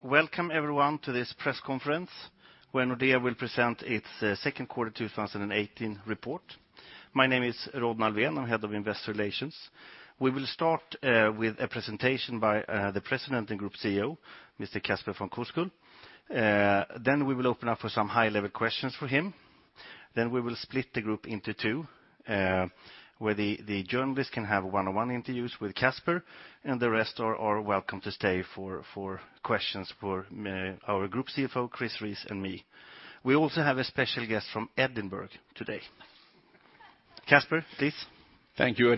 Welcome everyone to this press conference where Nordea will present its second quarter 2018 report. My name is Rodney Alfvén, I'm Head of Investor Relations. We will start with a presentation by the President and Group CEO, Mr. Casper von Koskull. We will open up for some high-level questions for him. We will split the group into two, where the journalists can have one-on-one interviews with Casper, and the rest are welcome to stay for questions for our Group CFO, Christopher Rees, and me. We also have a special guest from Edinburgh today. Casper, please. Thank you.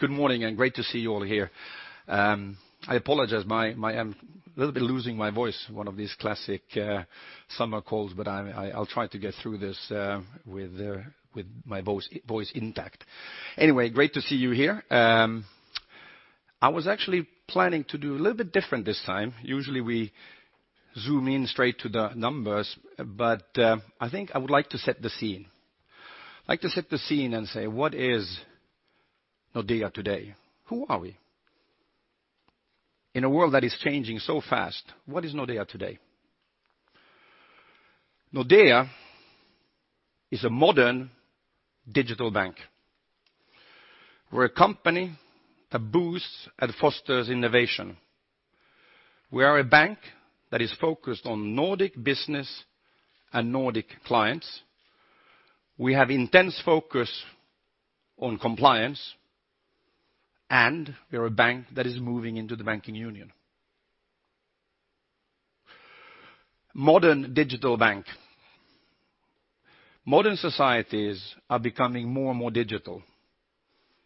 Good morning. Great to see you all here. I apologize. I'm a little bit losing my voice, one of these classic summer colds, but I'll try to get through this with my voice intact. Anyway, great to see you here. I was actually planning to do a little bit different this time. Usually we zoom in straight to the numbers, I think I'd like to set the scene. I'd like to set the scene, say, what is Nordea today? Who are we? In a world that is changing so fast, what is Nordea today? Nordea is a modern digital bank. We're a company that boosts and fosters innovation. We are a bank that is focused on Nordic business and Nordic clients. We have intense focus on compliance, we are a bank that is moving into the banking union. Modern digital bank. Modern societies are becoming more and more digital.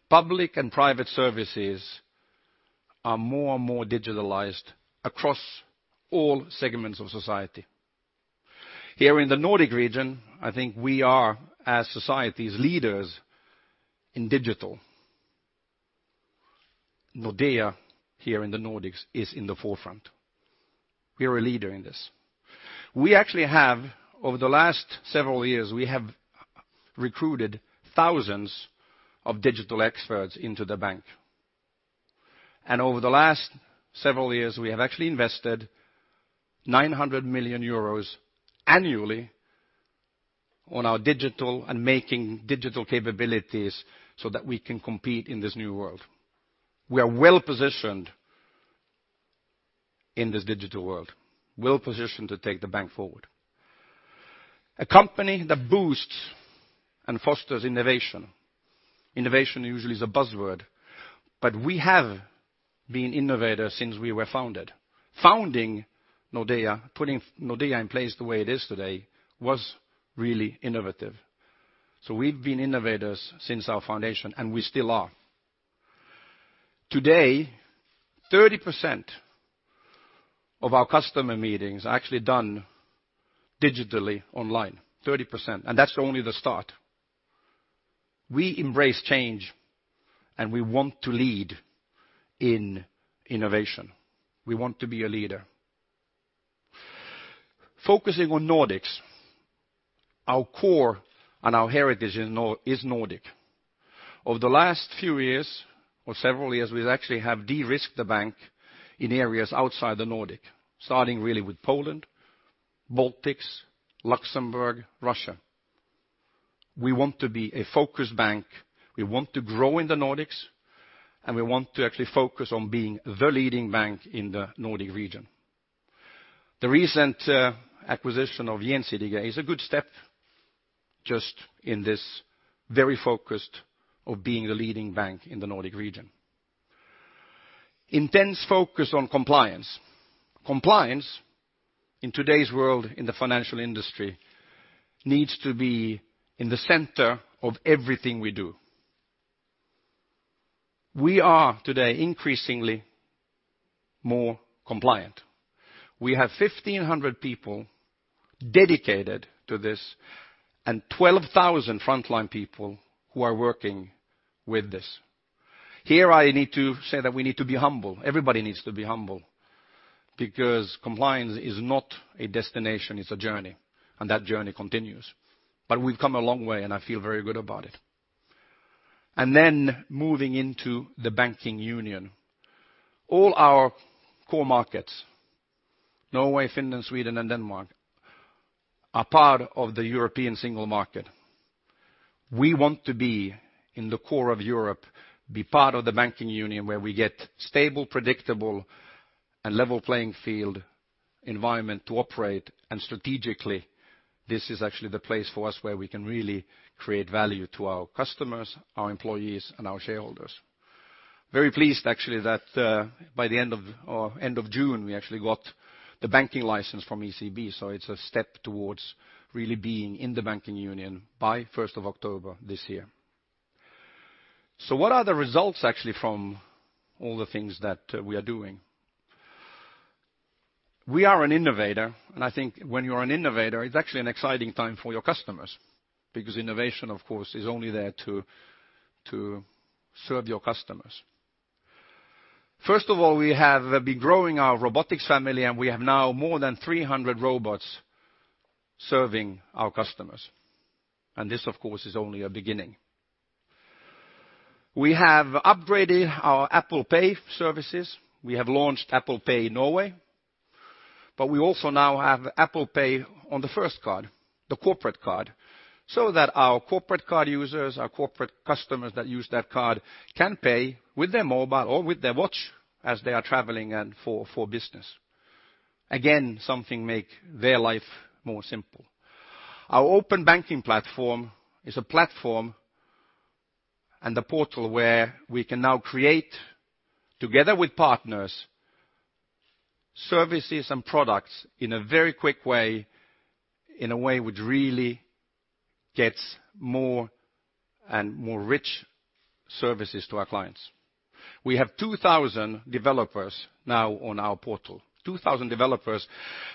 Public and private services are more and more digitalized across all segments of society. Here in the Nordic region, I think we are, as societies, leaders in digital. Nordea, here in the Nordics, is in the forefront. We are a leader in this. We actually have, over the last several years, we have recruited thousands of digital experts into the bank. Over the last several years, we have actually invested 900 million euros annually on our digital and making digital capabilities so that we can compete in this new world. We are well-positioned in this digital world, well-positioned to take the bank forward. A company that boosts and fosters innovation. Innovation usually is a buzzword, we have been innovators since we were founded. Founding Nordea, putting Nordea in place the way it is today, was really innovative. We've been innovators since our foundation, we still are. Today, 30% of our customer meetings are actually done digitally online, 30%, That's only the start. We embrace change, we want to lead in innovation. We want to be a leader. Focusing on Nordics. Our core and our heritage is Nordic. Over the last few years, or several years, we actually have de-risked the bank in areas outside the Nordic, starting really with Poland, Baltics, Luxembourg, Russia. We want to be a focused bank. We want to grow in the Nordics, we want to actually focus on being the leading bank in the Nordic region. The recent acquisition of is a good step just in this very focused of being the leading bank in the Nordic region. Intense focus on compliance. Compliance in today's world, in the financial industry, needs to be in the center of everything we do. We are today increasingly more compliant. We have 1,500 people dedicated to this and 12,000 frontline people who are working with this. Here, I need to say that we need to be humble. Everybody needs to be humble because compliance is not a destination, it's a journey, and that journey continues. We've come a long way, and I feel very good about it. Moving into the banking union. All our core markets, Norway, Finland, Sweden, and Denmark, are part of the European single market. We want to be in the core of Europe, be part of the banking union, where we get stable, predictable, and level playing field environment to operate. Strategically, this is actually the place for us where we can really create value to our customers, our employees, and our shareholders. Very pleased, actually, that by the end of June, we actually got the banking license from ECB. It's a step towards really being in the banking union by 1st of October this year. What are the results, actually, from all the things that we are doing? We are an innovator, and I think when you're an innovator, it's actually an exciting time for your customers, because innovation, of course, is only there to serve your customers. First of all, we have been growing our robotics family, and we have now more than 300 robots serving our customers. This, of course, is only a beginning. We have upgraded our Apple Pay services. We have launched Apple Pay in Norway, We also now have Apple Pay on the First Card, the corporate card, so that our corporate card users, our corporate customers that use that card, can pay with their mobile or with their watch as they are traveling and for business. Something make their life more simple. Our open banking platform is a platform and a portal where we can now create, together with partners, services and products in a very quick way, in a way which really gets more and more rich services to our clients. We have 2,000 developers now on our portal. 2,000 developers.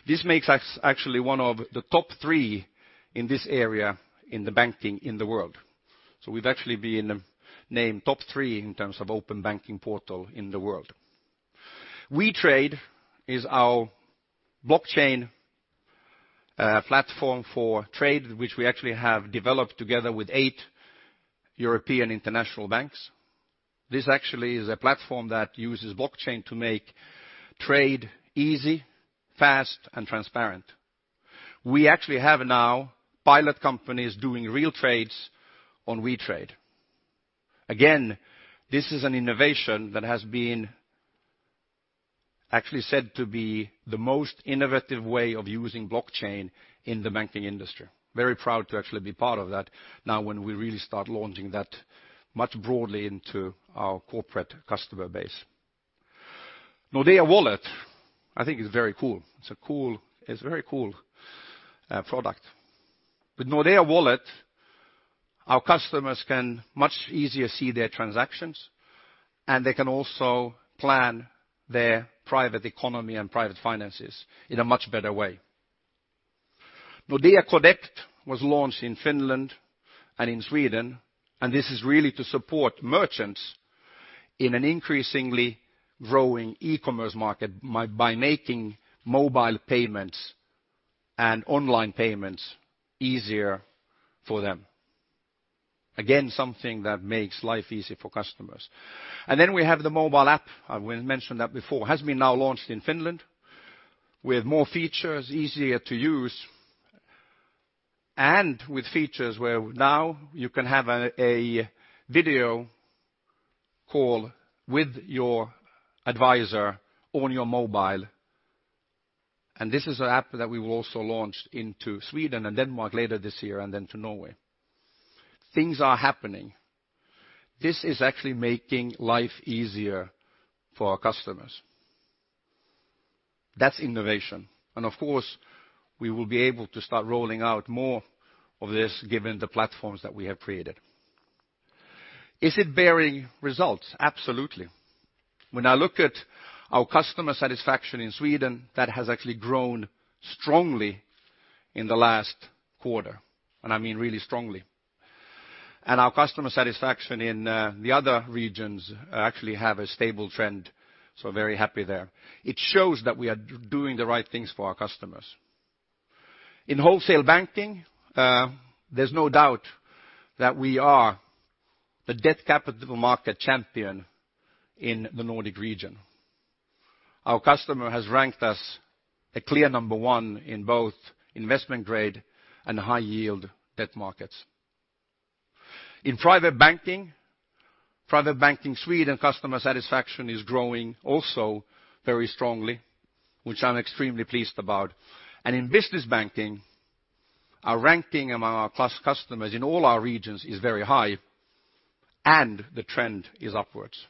This makes us actually one of the top three in this area in the banking in the world. We've actually been named top three in terms of open banking portal in the world. WeTrade is our blockchain platform for trade, which we actually have developed together with eight European international banks. This actually is a platform that uses blockchain to make trade easy, fast, and transparent. We actually have now pilot companies doing real trades on WeTrade. This is an innovation that has been actually said to be the most innovative way of using blockchain in the banking industry. Very proud to actually be part of that now when we really start launching that much broadly into our corporate customer base. Nordea Wallet, I think is very cool. It's a very cool product. With Nordea Wallet, our customers can much easier see their transactions, and they can also plan their private economy and private finances in a much better way. Nordea Connect was launched in Finland and in Sweden. This is really to support merchants in an increasingly growing e-commerce market by making mobile payments and online payments easier for them. Again, something that makes life easy for customers. We have the mobile app, I mentioned that before. It has been now launched in Finland with more features, easier to use, and with features where now you can have a video call with your advisor on your mobile. This is an app that we will also launch into Sweden and Denmark later this year, and then to Norway. Things are happening. This is actually making life easier for our customers. That's innovation. Of course, we will be able to start rolling out more of this given the platforms that we have created. Is it bearing results? Absolutely. When I look at our customer satisfaction in Sweden, that has actually grown strongly in the last quarter. I mean really strongly. Our customer satisfaction in the other regions actually have a stable trend, so very happy there. It shows that we are doing the right things for our customers. In wholesale banking, there's no doubt that we are the Debt Capital Market champion in the Nordic region. Our customer has ranked us a clear number one in both Investment Grade and High Yield debt markets. In private banking, Private Banking Sweden customer satisfaction is growing also very strongly, which I'm extremely pleased about. In business banking, our ranking among our customers in all our regions is very high, and the trend is upwards.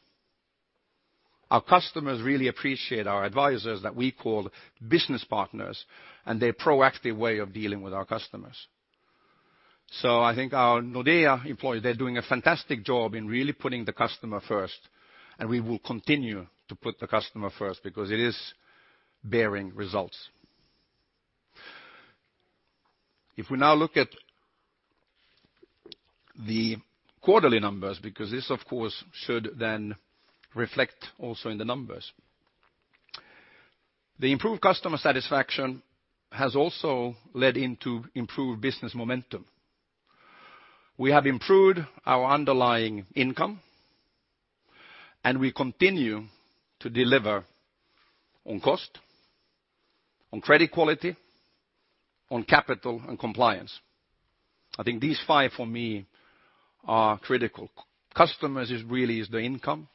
Our customers really appreciate our advisors that we call business partners, and their proactive way of dealing with our customers. I think our Nordea employees, they're doing a fantastic job in really putting the customer first, and we will continue to put the customer first because it is bearing results. If we now look at the quarterly numbers, because this, of course, should then reflect also in the numbers. The improved customer satisfaction has also led into improved business momentum. We have improved our underlying income, and we continue to deliver on cost, on credit quality, on capital, and compliance. I think these five for me are critical. Customers is really the income,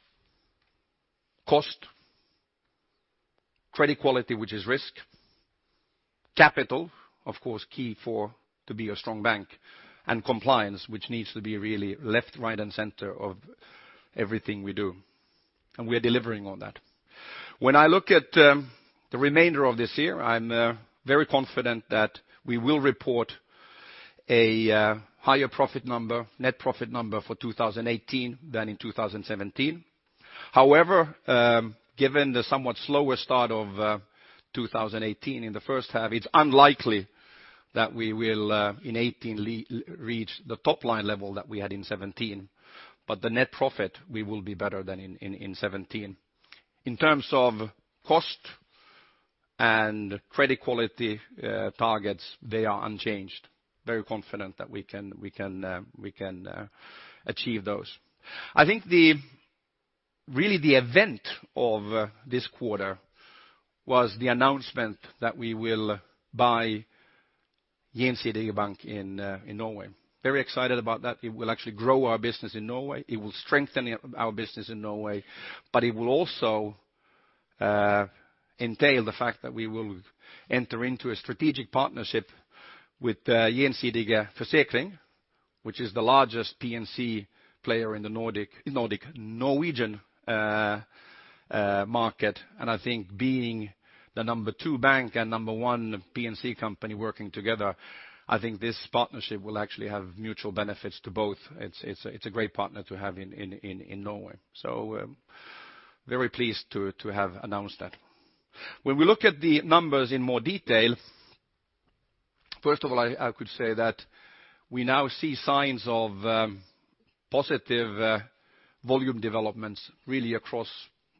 cost, credit quality, which is risk, capital, of course key to be a strong bank, and compliance, which needs to be really left, right, and center of everything we do. We are delivering on that. When I look at the remainder of this year, I'm very confident that we will report a higher profit number, net profit number for 2018 than in 2017. However, given the somewhat slower start of 2018 in the first half, it's unlikely that we will in 2018 reach the top line level that we had in 2017. The net profit, we will be better than in 2017. In terms of cost and credit quality targets, they are unchanged. Very confident that we can achieve those. I think really the event of this quarter was the announcement that we will buy Gjensidige Bank in Norway. Very excited about that. It will actually grow our business in Norway. It will strengthen our business in Norway, but it will also entail the fact that we will enter into a strategic partnership with Gjensidige Forsikring, which is the largest P&C player in the Norwegian market. I think being the number 2 bank and number 1 P&C company working together, I think this partnership will actually have mutual benefits to both. It's a great partner to have in Norway. Very pleased to have announced that. When we look at the numbers in more detail, first of all, I could say that we now see signs of positive volume developments really across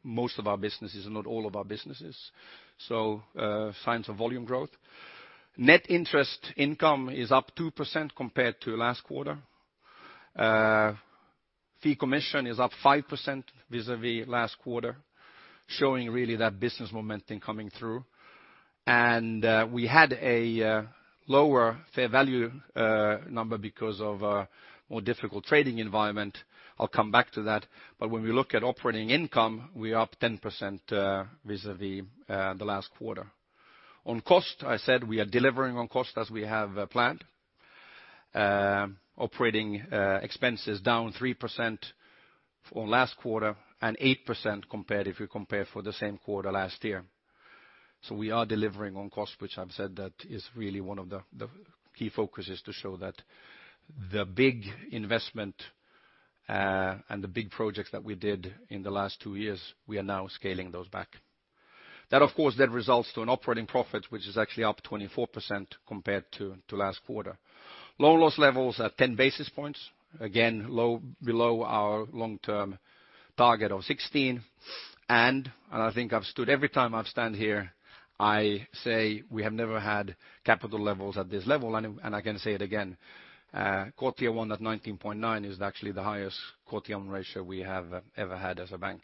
most of our businesses and not all of our businesses. So, signs of volume growth. Net interest income is up 2% compared to last quarter. Fee commission is up 5% vis-a-vis last quarter, showing really that business momentum coming through. We had a lower fair value number because of a more difficult trading environment. I'll come back to that. When we look at operating income, we're up 10% vis-a-vis the last quarter. On cost, I said we are delivering on cost as we have planned. Operating expenses down 3% from last quarter and 8% if we compare for the same quarter last year. So we are delivering on cost, which I've said that is really one of the key focuses to show that the big investment, and the big projects that we did in the last two years, we are now scaling those back. That, of course, then results to an operating profit, which is actually up 24% compared to last quarter. Loan loss levels at 10 basis points, again, below our long-term target of 16. I think every time I stand here, I say we have never had capital levels at this level. I can say it again, quarter 1 at 19.9 is actually the highest quarter-on-ratio we have ever had as a bank.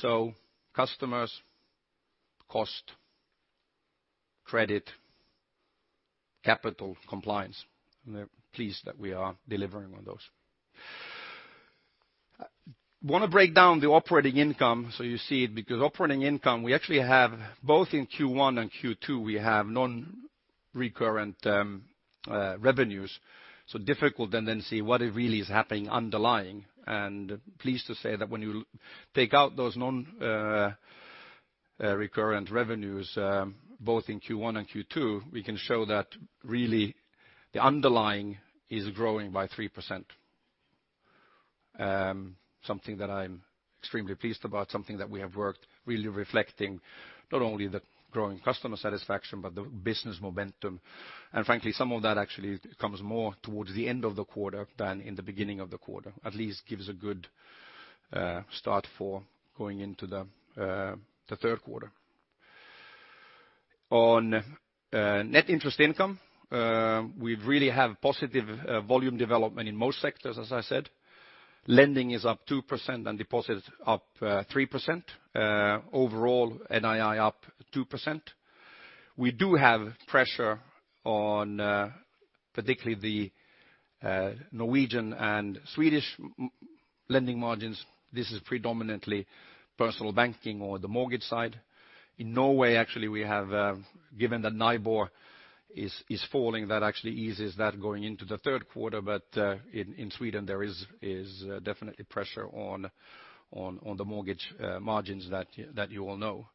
So customers, cost, credit, capital compliance, I'm pleased that we are delivering on those. Want to break down the operating income, so you see it, because operating income, we actually have both in Q1 and Q2, we have non-recurrent revenues, so difficult and then see what really is happening underlying. Pleased to say that when you take out those non-recurrent revenues, both in Q1 and Q2, we can show that really the underlying is growing by 3%. Something that I'm extremely pleased about, something that we have worked really reflecting not only the growing customer satisfaction, but the business momentum. Frankly, some of that actually comes more towards the end of the quarter than in the beginning of the quarter. At least gives a good start for going into the third quarter. On net interest income, we really have positive volume development in most sectors, as I said. Lending is up 2% and deposits up 3%. Overall, NII up 2%. We do have pressure on particularly the Norwegian and Swedish lending margins. This is predominantly personal banking or the mortgage side. In Norway, actually, given that NIBOR is falling, that actually eases that going into the third quarter. But in Sweden, there is definitely pressure on the mortgage margins that you all know.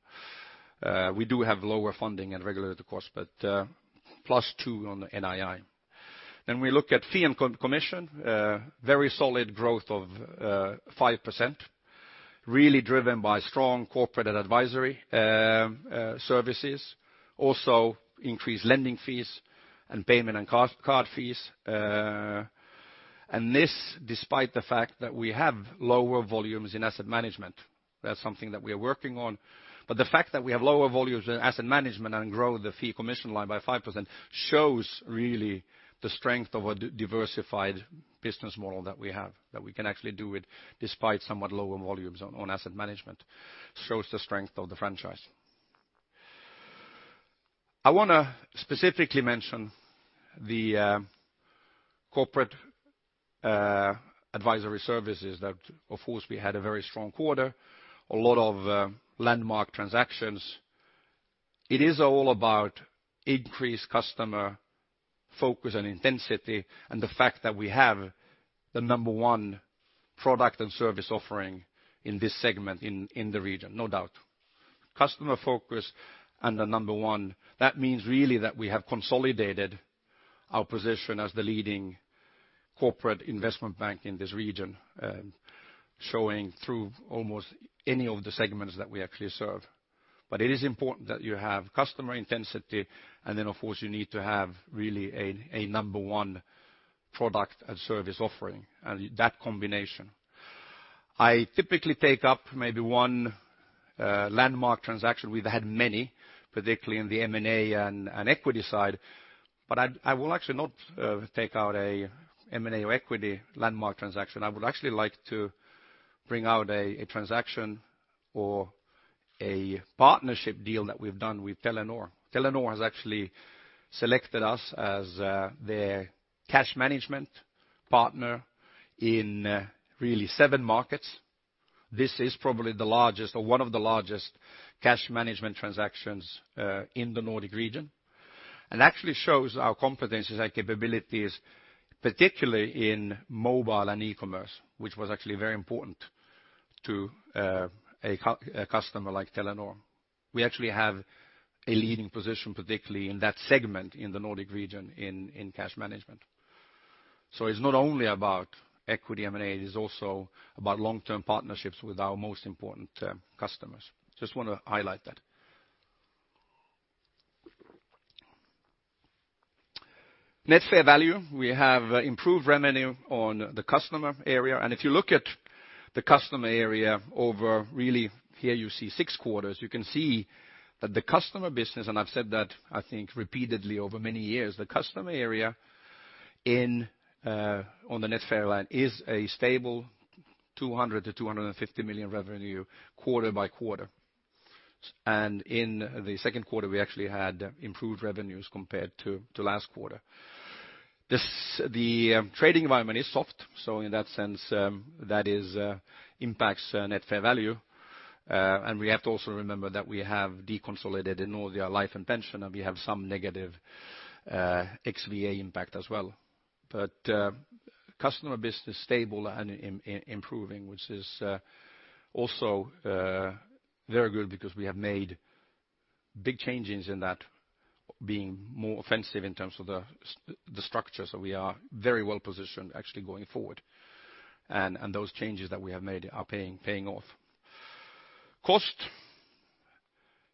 We do have lower funding and regulatory costs, but +2 on the NII. We look at fee and commission, very solid growth of 5%, really driven by strong corporate and advisory services, also increased lending fees and payment and card fees. This despite the fact that we have lower volumes in asset management. That's something that we're working on. The fact that we have lower volumes in asset management and grow the fee commission line by 5% shows really the strength of a diversified business model that we have, that we can actually do it despite somewhat lower volumes on asset management, shows the strength of the franchise. I want to specifically mention the corporate advisory services that, of course, we had a very strong quarter, a lot of landmark transactions. It is all about increased customer focus and intensity, the fact that we have the number one product and service offering in this segment in the region, no doubt. Customer focus and the number one, that means really that we have consolidated our position as the leading corporate investment bank in this region, showing through almost any of the segments that we actually serve. It is important that you have customer intensity, and then, of course, you need to have really a number one product and service offering, and that combination. I typically take up maybe one landmark transaction. We've had many, particularly in the M&A and equity side, I will actually not take out a M&A or equity landmark transaction. I would actually like to bring out a transaction or a partnership deal that we've done with Telenor. Telenor has actually selected us as their cash management partner in really seven markets. This is probably the largest or one of the largest cash management transactions in the Nordic region, actually shows our competencies and capabilities, particularly in mobile and e-commerce, which was actually very important to a customer like Telenor. We actually have a leading position, particularly in that segment in the Nordic region in cash management. It's not only about equity M&A, it is also about long-term partnerships with our most important customers. Just want to highlight that. Net Fair Value, we have improved revenue on the customer area. If you look at the customer area over really, here you see six quarters. You can see that the customer business, I've said that, I think, repeatedly over many years, the customer area on the Net Fair Value line is a stable 200 million to 250 million revenue quarter by quarter. In the second quarter, we actually had improved revenues compared to last quarter. The trading environment is soft. In that sense, that impacts Net Fair Value. We have to also remember that we have deconsolidated in Nordea Life and Pension, and we have some negative XVA impact as well. Customer business stable and improving, which is also very good because we have made big changes in that being more offensive in terms of the structures that we are very well positioned actually going forward. Those changes that we have made are paying off. Cost.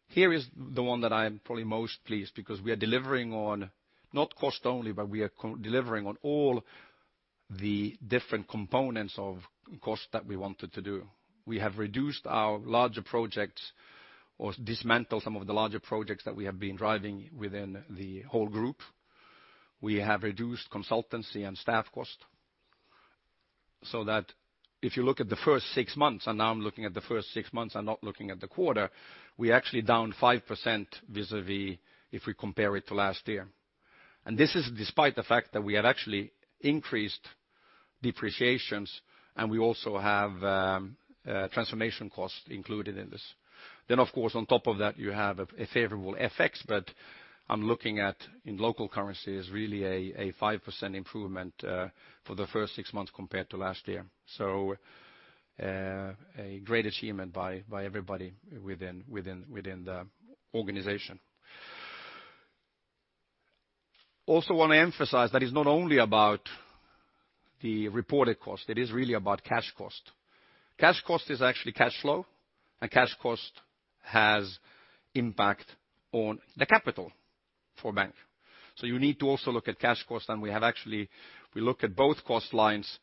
Here is the one that I am probably most pleased because we are delivering on not cost only, but we are delivering on all the different components of cost that we wanted to do. We have reduced our larger projects or dismantled some of the larger projects that we have been driving within the whole group. We have reduced consultancy and staff cost, so that if you look at the first six months, and now I'm looking at the first six months and not looking at the quarter, we're actually down 5% vis-a-vis if we compare it to last year. This is despite the fact that we have actually increased depreciations, and we also have transformation costs included in this. Of course, on top of that, you have a favorable FX, but I'm looking at in local currency is really a 5% improvement for the first six months compared to last year. A great achievement by everybody within the organization. Also want to emphasize that it's not only about the reported cost, it is really about cash cost. Cash cost is actually cash flow, Cash cost has impact on the capital for bank. You need to also look at cash cost, We look at both cost lines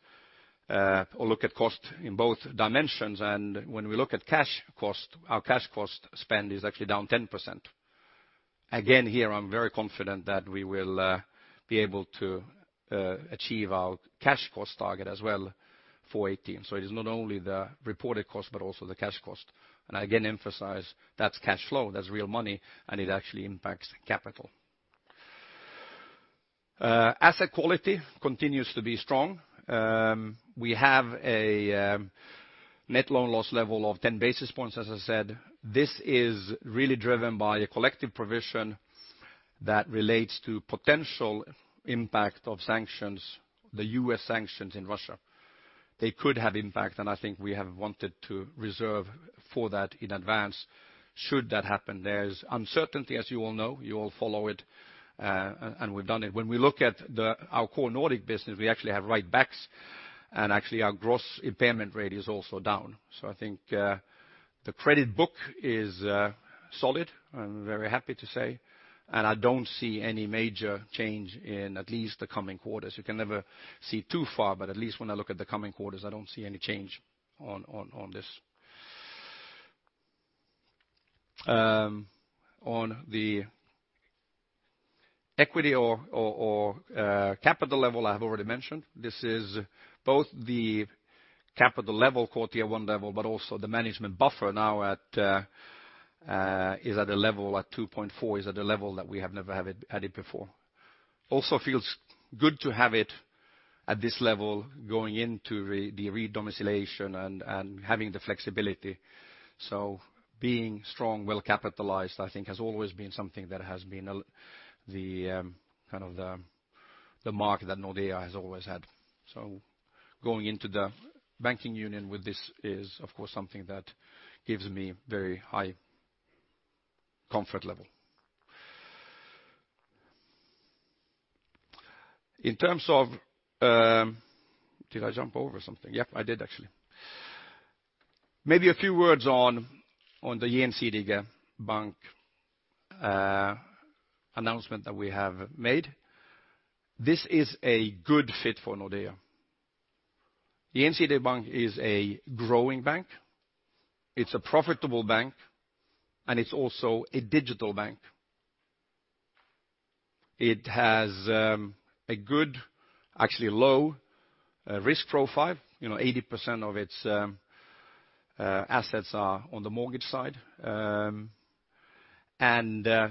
or look at cost in both dimensions. When we look at cash cost, our cash cost spend is actually down 10%. Again, here, I'm very confident that we will be able to achieve our cash cost target as well for 2018. It is not only the reported cost, but also the cash cost. I again emphasize that's cash flow, that's real money, and it actually impacts capital. Asset quality continues to be strong. We have a net loan loss level of 10 basis points, as I said. This is really driven by a collective provision that relates to potential impact of sanctions, the U.S. sanctions in Russia. They could have impact, I think we have wanted to reserve for that in advance should that happen. There's uncertainty, as you all know. You all follow it, We've done it. When we look at our core Nordic business, we actually have write-backs, Actually, our gross impairment rate is also down. I think the credit book is solid, I'm very happy to say, I don't see any major change in at least the coming quarters. You can never see too far, At least when I look at the coming quarters, I don't see any change on this. On the equity or capital level, I have already mentioned. This is both the capital level, quarter one level, but also the management buffer now is at a level at 2.4, is at a level that we have never had it before. Also feels good to have it at this level going into the re-domiciliation and having the flexibility. Being strong, well-capitalized, I think has always been something that has been the mark that Nordea has always had. Going into the banking union with this is, of course, something that gives me very high comfort level. Did I jump over something? Yep, I did, actually. Maybe a few words on the Gjensidige Bank announcement that we have made. This is a good fit for Nordea. The Gjensidige Bank is a growing bank, it is a profitable bank, and it is also a digital bank. It has a good, actually low risk profile. 80% of its assets are on the mortgage side.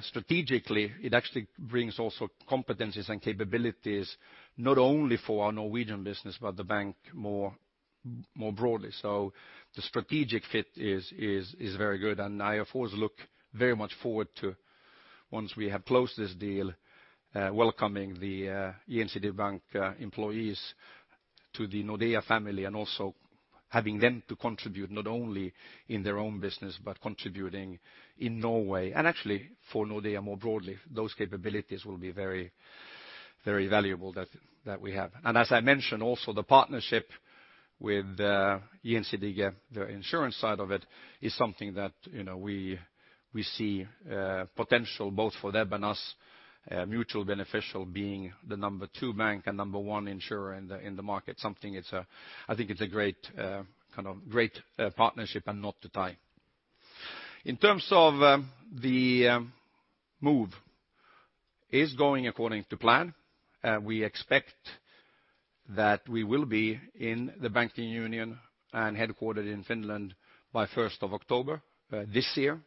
Strategically, it actually brings also competencies and capabilities not only for our Norwegian business, but the bank more broadly. The strategic fit is very good. I, of course, look very much forward to, once we have closed this deal, welcoming the Gjensidige Bank employees to the Nordea family and also having them to contribute not only in their own business, but contributing in Norway. Actually for Nordea more broadly, those capabilities will be very valuable that we have. As I mentioned, also, the partnership with the Gjensidige, the insurance side of it, is something that we see potential both for them and us, mutual beneficial being the number two bank and number one insurer in the market. I think it is a great partnership and knot to tie. In terms of the move, is going according to plan. We expect that we will be in the banking union and headquartered in Finland by 1st of October this year.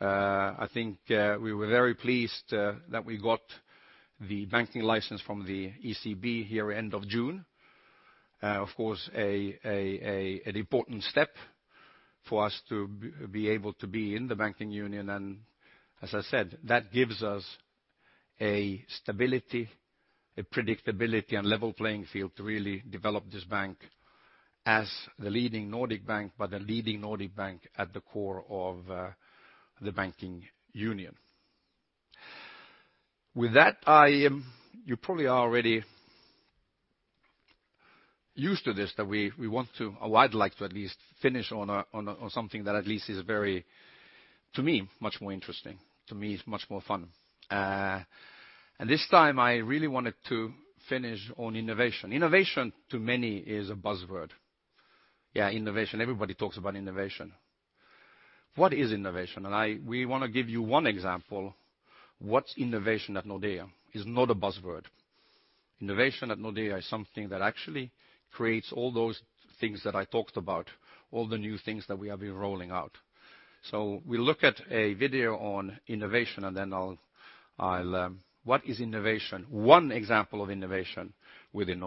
I think we were very pleased that we got the banking license from the ECB here end of June. Of course, an important step for us to be able to be in the banking union. As I said, that gives us a stability, a predictability, and level playing field to really develop this bank as the leading Nordic bank, but the leading Nordic bank at the core of the banking union. With that, you probably are already used to this, that we want to, or I'd like to at least finish on something that at least is very, to me, much more interesting. To me, it is much more fun. This time I really wanted to finish on innovation. Innovation to many is a buzzword. Yeah, innovation. Everybody talks about innovation. What is innovation? We want to give you one example what's innovation at Nordea. It is not a buzzword. Innovation at Nordea is something that actually creates all those things that I talked about, all the new things that we have been rolling out. We'll look at a video on innovation. What is innovation? One example of innovation within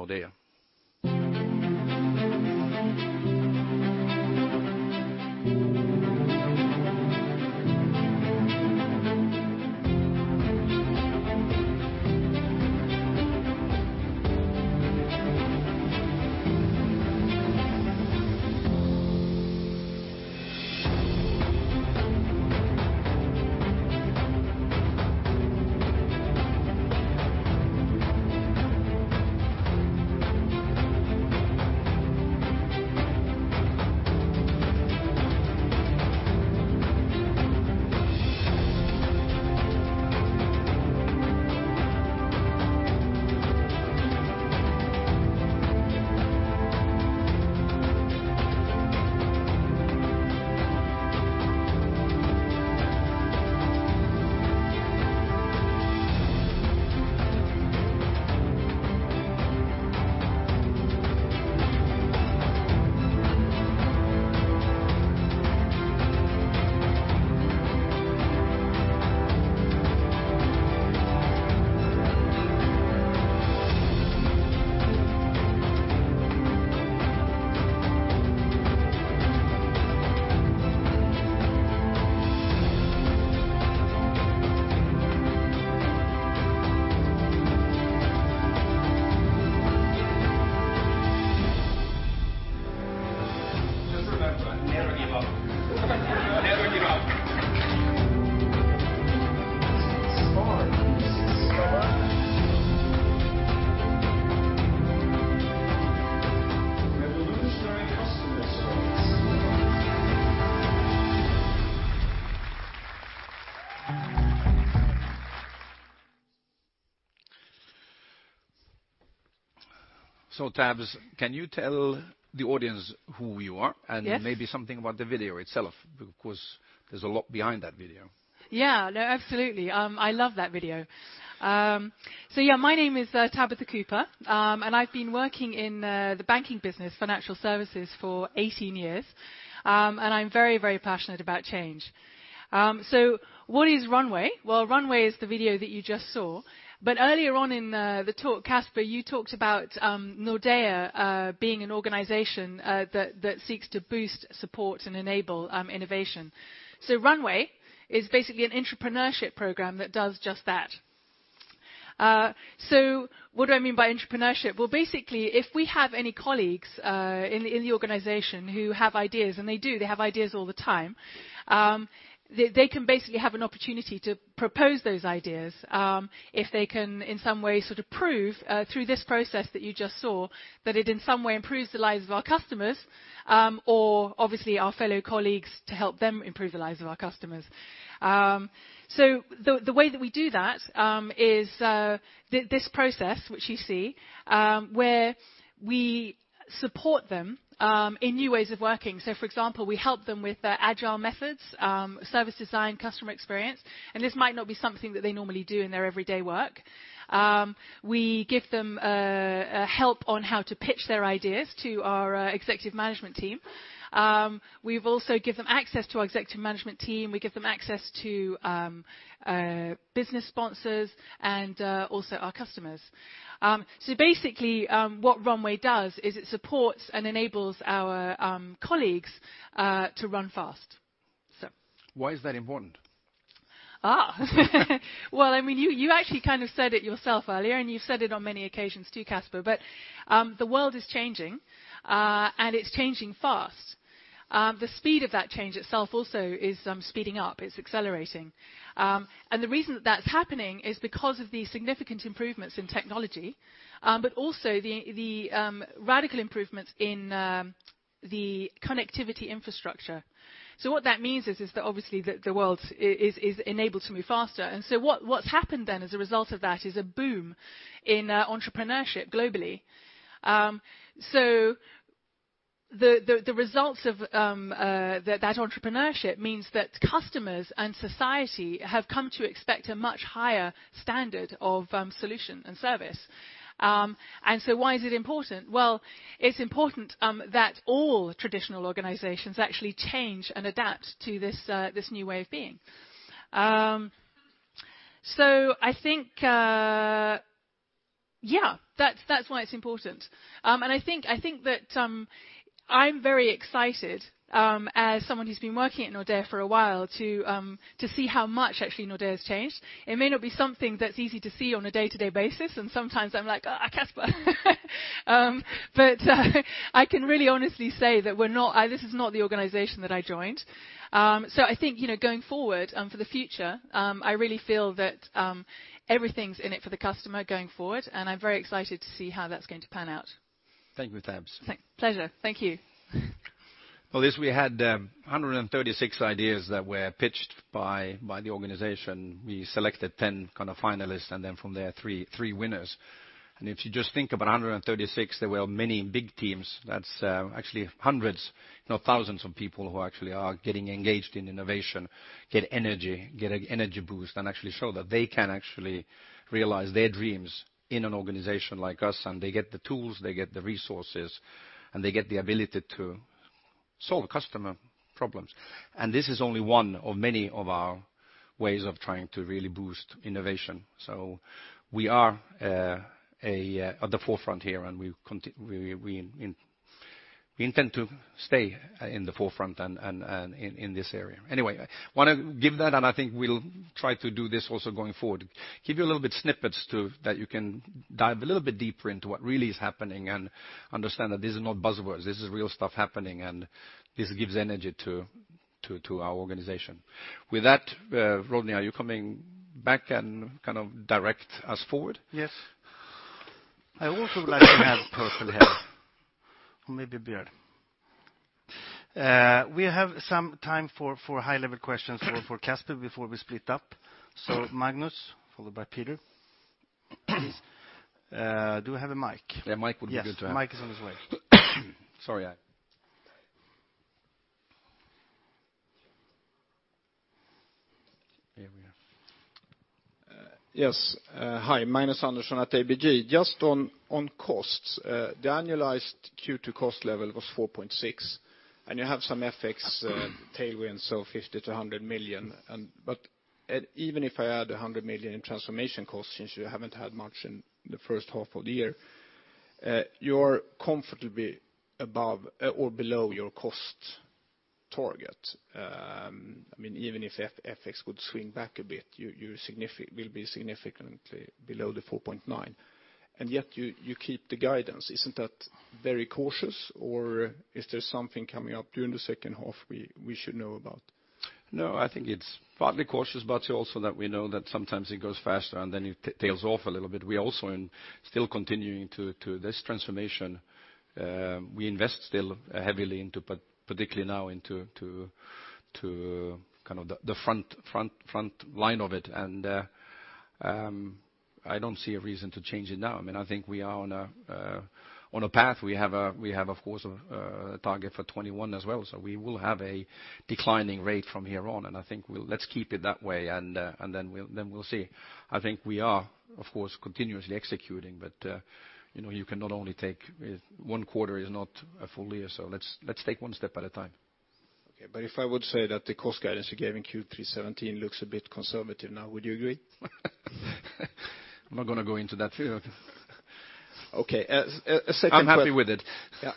Nordea. Just remember, never give up. Never give up. Spark inspires. A revolutionary customer experience. Tabs, can you tell the audience who you are? Yes. Something about the video itself, because there's a lot behind that video. Absolutely. I love that video. My name is Tabitha Cooper, and I've been working in the banking business, financial services, for 18 years. I'm very, very passionate about change. What is Runway? Well, Runway is the video that you just saw. Earlier on in the talk, Casper, you talked about Nordea being an organization that seeks to boost, support, and enable innovation. Runway is basically an entrepreneurship program that does just that. What do I mean by entrepreneurship? Well, basically, if we have any colleagues in the organization who have ideas, and they do, they have ideas all the time. They can basically have an opportunity to propose those ideas, if they can in some way sort of prove, through this process that you just saw, that it in some way improves the lives of our customers, or obviously our fellow colleagues to help them improve the lives of our customers. The way that we do that is this process which you see, where we support them in new ways of working. For example, we help them with agile methods, service design, customer experience, and this might not be something that they normally do in their everyday work. We give them help on how to pitch their ideas to our Executive Management Team. We also give them access to our Executive Management Team. We give them access to business sponsors and also our customers. Basically, what Runway does is it supports and enables our colleagues to run fast. Why is that important? Well, you actually kind of said it yourself earlier, and you've said it on many occasions too, Casper. The world is changing, and it's changing fast. The speed of that change itself also is speeding up. It's accelerating. The reason that's happening is because of the significant improvements in technology, but also the radical improvements in the connectivity infrastructure. What that means is that obviously the world is enabled to move faster. What's happened then as a result of that is a boom in entrepreneurship globally. The results of that entrepreneurship means that customers and society have come to expect a much higher standard of solution and service. Why is it important? It's important that all traditional organizations actually change and adapt to this new way of being. I think, yeah, that's why it's important. I think that I'm very excited, as someone who's been working at Nordea for a while, to see how much actually Nordea has changed. It may not be something that's easy to see on a day-to-day basis, and sometimes I'm like, "Casper." I can really honestly say that this is not the organization that I joined. I think, going forward for the future, I really feel that everything's in it for the customer going forward, and I'm very excited to see how that's going to pan out. Thank you, Tabs. Pleasure. Thank you. Well, we had 136 ideas that were pitched by the organization. We selected 10 finalists, and then from there, three winners. If you just think about 136, there were many big teams. That's actually hundreds, thousands of people who actually are getting engaged in innovation, get energy, get an energy boost, and actually show that they can actually realize their dreams in an organization like us. They get the tools, they get the resources, and they get the ability to solve customer problems. This is only one of many of our ways of trying to really boost innovation. We are at the forefront here, and we intend to stay in the forefront in this area. Anyway, I want to give that, I think we'll try to do this also going forward, give you a little bit snippets that you can dive a little bit deeper into what really is happening and understand that these are not buzzwords. This is real stuff happening, and this gives energy to our organization. With that, Rodney, are you coming back and direct us forward? Yes. I also would like to have [purple hair, or maybe beard]. We have some time for high-level questions for Casper before we split up. Magnus, followed by Peter, please. Do we have a mic? Yeah, mic would be good to have. Yes, mic is on its way. Sorry. Here we are. Yes. Hi. Magnus Andersson at ABG. Just on costs, the annualized Q2 cost level was 4.6, and you have some FX tailwinds, so 50 million to 100 million. Even if I add 100 million in transformation costs, since you haven't had much in the first half of the year, you're comfortably above or below your cost target. Even if FX would swing back a bit, you will be significantly below the 4.9 billion, and yet you keep the guidance. Isn't that very cautious, or is there something coming up during the second half we should know about? I think it's partly cautious, but also that we know that sometimes it goes faster, and then it tails off a little bit. We also are still continuing this transformation. We invest still heavily, particularly now, into the front line of it, and I don't see a reason to change it now. I think we are on a path. We have, of course, a target for 2021 as well. We will have a declining rate from here on, and I think let's keep it that way, and then we'll see. I think we are, of course, continuously executing, but you cannot only take one quarter is not a full year. Let's take one step at a time. Okay. If I would say that the cost guidance you gave in Q3 2017 looks a bit conservative now, would you agree? I'm not going to go into that. Okay. I'm happy with it. Yeah.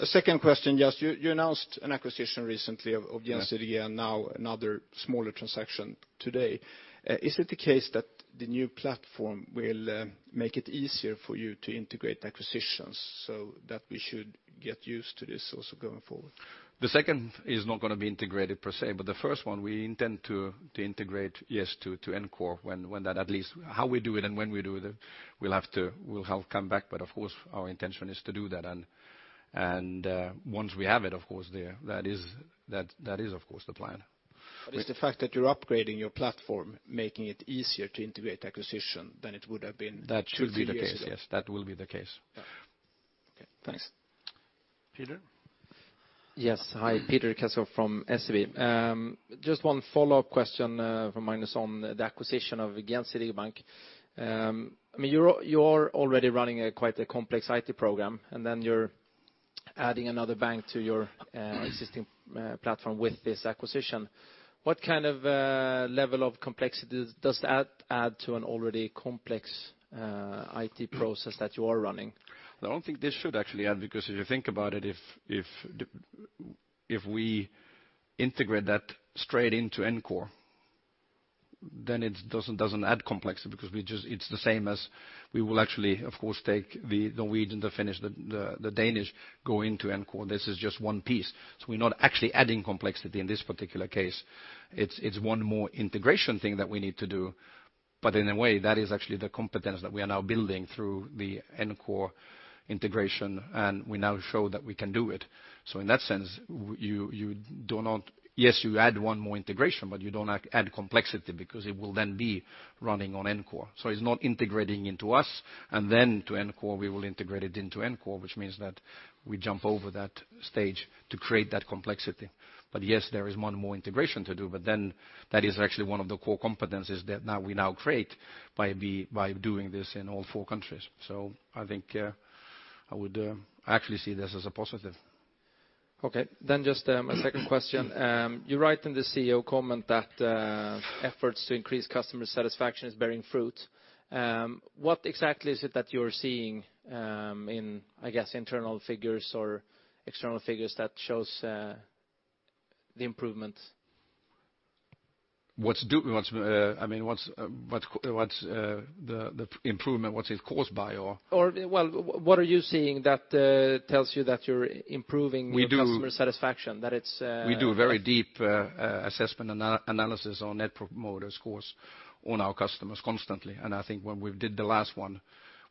A second question, you announced an acquisition recently of Gjensidige and now another smaller transaction today. Is it the case that the new platform will make it easier for you to integrate acquisitions so that we should get used to this also going forward? The second is not going to be integrated per se, but the first one we intend to integrate, yes, to ENCORE. How we do it and when we do it, we'll have to come back, of course, our intention is to do that. Once we have it, of course, there, that is of course the plan. It's the fact that you're upgrading your platform, making it easier to integrate acquisition than it would have been two, three years ago. That should be the case. Yes, that will be the case. Okay, thanks. Peter? Yes. Hi, Peter Kjaer from SEB. Just one follow-up question from Magnus on the acquisition of Gjensidige Bank. You are already running quite a complex IT program, and then you're adding another bank to your existing platform with this acquisition. What kind of level of complexity does that add to an already complex IT process that you are running? I don't think this should actually add, because if you think about it, if we integrate that straight into ENCORE, then it doesn't add complexity because it's the same as we will actually, of course, take the Swedish and the Finnish, the Danish go into ENCORE. This is just one piece. We're not actually adding complexity in this particular case. It's one more integration thing that we need to do, but in a way, that is actually the competence that we are now building through the ENCORE integration, we now show that we can do it. In that sense, yes, you add one more integration, but you don't add complexity because it will then be running on ENCORE. It's not integrating into us and then to ENCORE. We will integrate it into ENCORE, which means that we jump over that stage to create that complexity. Yes, there is one more integration to do, that is actually one of the core competencies that we now create by doing this in all four countries. I think I would actually see this as a positive. Just a second question. You write in the CEO comment that efforts to increase customer satisfaction is bearing fruit. What exactly is it that you're seeing in, I guess, internal figures or external figures that shows the improvement? The improvement, what's it caused by or? What are you seeing that tells you that you're improving your customer satisfaction? We do a very deep assessment analysis on Net Promoter Scores on our customers constantly. I think when we did the last one,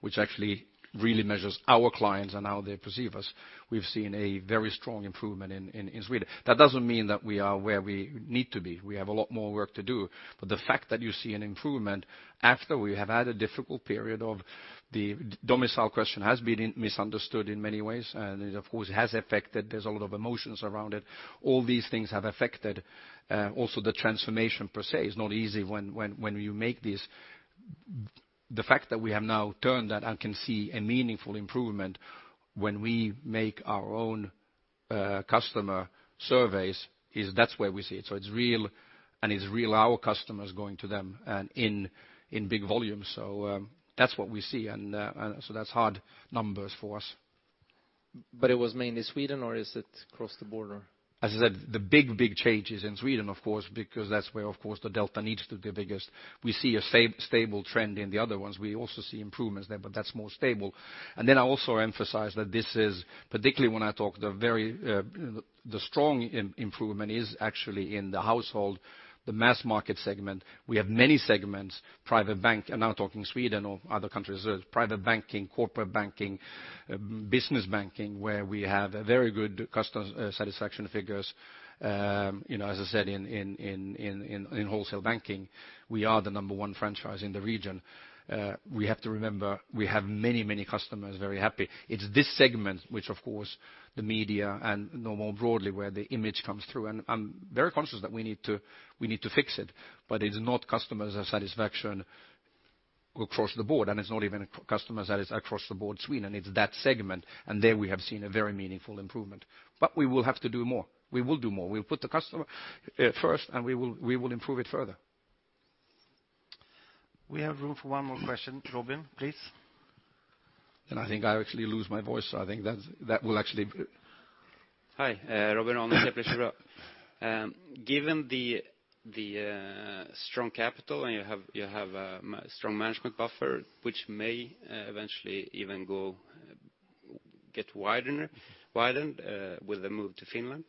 which actually really measures our clients and how they perceive us, we've seen a very strong improvement in Sweden. That doesn't mean that we are where we need to be. We have a lot more work to do. The fact that you see an improvement after we have had a difficult period of the domicile question has been misunderstood in many ways, and of course, has affected. There's a lot of emotions around it. All these things have affected. Also, the transformation per se is not easy when you make this. The fact that we have now turned that and can see a meaningful improvement when we make our own customer surveys is that's where we see it. It's real, and it's real our customers going to them and in big volumes. That's what we see. That's hard numbers for us. It was mainly Sweden or is it across the border? As I said, the big, big change is in Sweden, of course, because that's where, of course, the delta needs to be the biggest. We see a stable trend in the other ones. We also see improvements there, but that's more stable. Then I also emphasize that this is particularly when I talk the strong improvement is actually in the household, the mass market segment. We have many segments, private bank, and I'm talking Sweden or other countries as private banking, corporate banking, business banking, where we have very good customer satisfaction figures. As I said, in wholesale banking, we are the number 1 franchise in the region. We have to remember we have many customers very happy. It's this segment which, of course, the media and more broadly where the image comes through. I'm very conscious that we need to fix it. It's not customers' satisfaction across the board, and it's not even customers that is across the board Sweden, it's that segment. There we have seen a very meaningful improvement. We will have to do more. We will do more. We'll put the customer first, and we will improve it further. We have room for one more question. Robin, please. I think I actually lose my voice. Hi, Robin Rane, Kepler Cheuvreux. Given the strong capital and you have a strong management buffer, which may eventually even get widened with a move to Finland.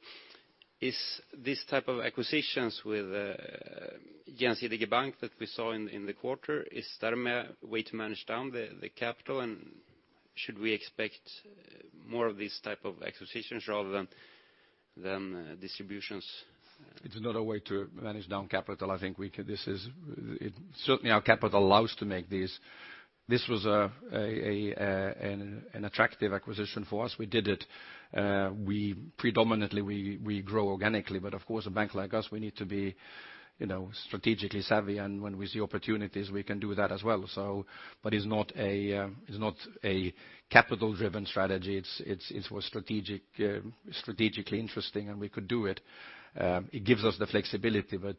Is this type of acquisitions with Gjensidige Bank that we saw in the quarter, is that a way to manage down the capital? Should we expect more of these type of acquisitions rather than distributions? It's another way to manage down capital. Certainly our capital allows to make this. This was an attractive acquisition for us. We did it. Predominantly, we grow organically, of course a bank like us, we need to be strategically savvy, and when we see opportunities, we can do that as well. It's not a capital-driven strategy. It's strategically interesting, and we could do it. It gives us the flexibility, but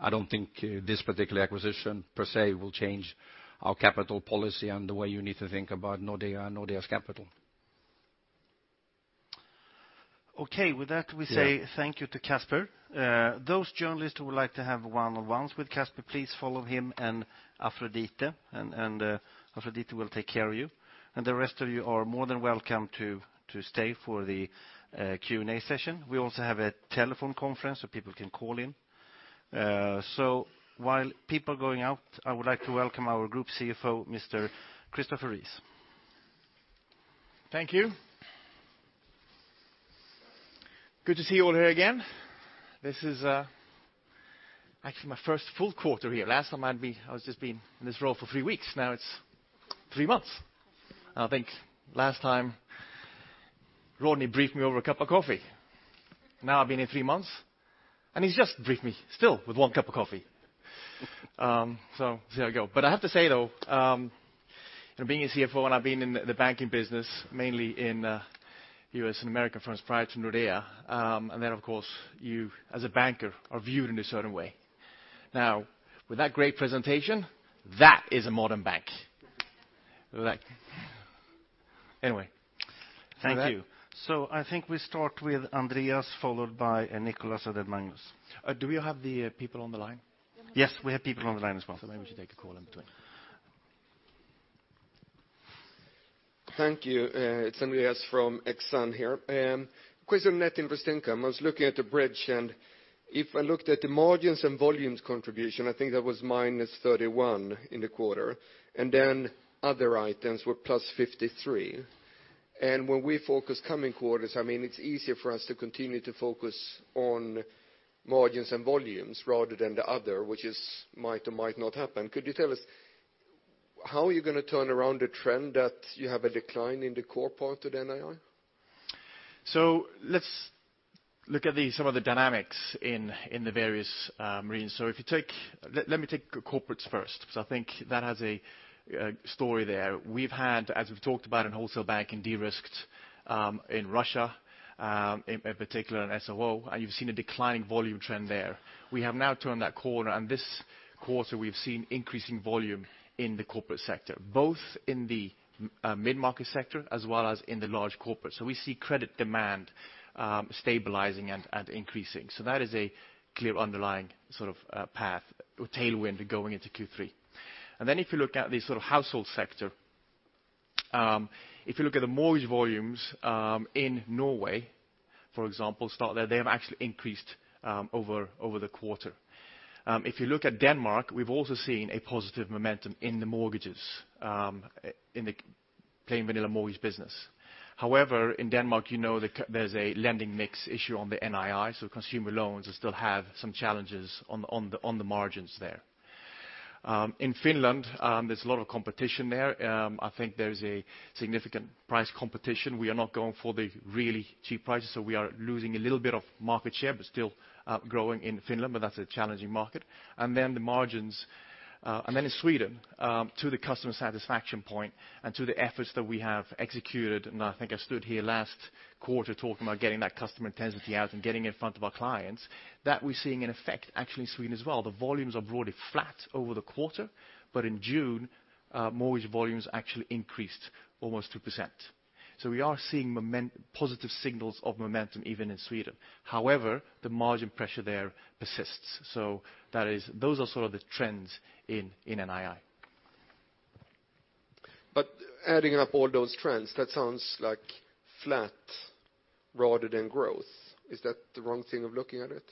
I don't think this particular acquisition per se will change our capital policy and the way you need to think about Nordea and Nordea's capital. Okay. With that, we say thank you to Casper. Those journalists who would like to have one-on-ones with Casper, please follow him and Aphrodite, and Aphrodite will take care of you. The rest of you are more than welcome to stay for the Q&A session. We also have a telephone conference so people can call in. While people are going out, I would like to welcome our Group CFO, Mr. Christopher Rees. Thank you. Good to see you all here again. This is actually my first full quarter here. Last time, I had just been in this role for three weeks. Now it's three months. I think last time Rodney briefed me over a cup of coffee. Now I've been here three months, and he's just briefed me still with one cup of coffee. There we go. I have to say, though, being a CFO, when I've been in the banking business, mainly in U.S. and American firms prior to Nordea, and then, of course, you as a banker are viewed in a certain way. Now, with that great presentation, that is a modern bank. Thank you. I think we start with Andreas, followed by Nicolas and then Magnus. Do we have the people on the line? Yes, we have people on the line as well. Maybe we should take a call in between. Thank you. It's Andreas from Exane here. Question net interest income. I was looking at the bridge, if I looked at the margins and volumes contribution, I think that was -31 in the quarter, then other items were plus 53. When we focus coming quarters, it's easier for us to continue to focus on margins and volumes rather than the other, which might or might not happen. Could you tell us how you're going to turn around the trend that you have a decline in the core part of the NII? Let's look at some of the dynamics in the various margins. Let me take corporates first, because I think that has a story there. We've had, as we've talked about in wholesale banking, de-risked in Russia, in particular in SLO, and you've seen a declining volume trend there. We have now turned that corner, and this quarter we've seen increasing volume in the corporate sector, both in the mid-market sector as well as in the large corporate. We see credit demand stabilizing and increasing. That is a clear underlying path or tailwind going into Q3. If you look at the household sector, if you look at the mortgage volumes in Norway, for example, start there, they have actually increased over the quarter. If you look at Denmark, we've also seen a positive momentum in the mortgages, in the plain vanilla mortgage business. However, in Denmark, you know there's a lending mix issue on the NII, so consumer loans still have some challenges on the margins there. In Finland, there's a lot of competition there. I think there is a significant price competition. We are not going for the really cheap prices, so we are losing a little bit of market share, but still growing in Finland, but that's a challenging market. The margins. In Sweden, to the customer satisfaction point and to the efforts that we have executed, and I think I stood here last quarter talking about getting that customer intensity out and getting in front of our clients, that we're seeing an effect actually in Sweden as well. The volumes are broadly flat over the quarter, but in June, mortgage volumes actually increased almost 2%. We are seeing positive signals of momentum even in Sweden. However, the margin pressure there persists. Those are sort of the trends in NII. Adding up all those trends, that sounds like flat rather than growth. Is that the wrong thing of looking at it?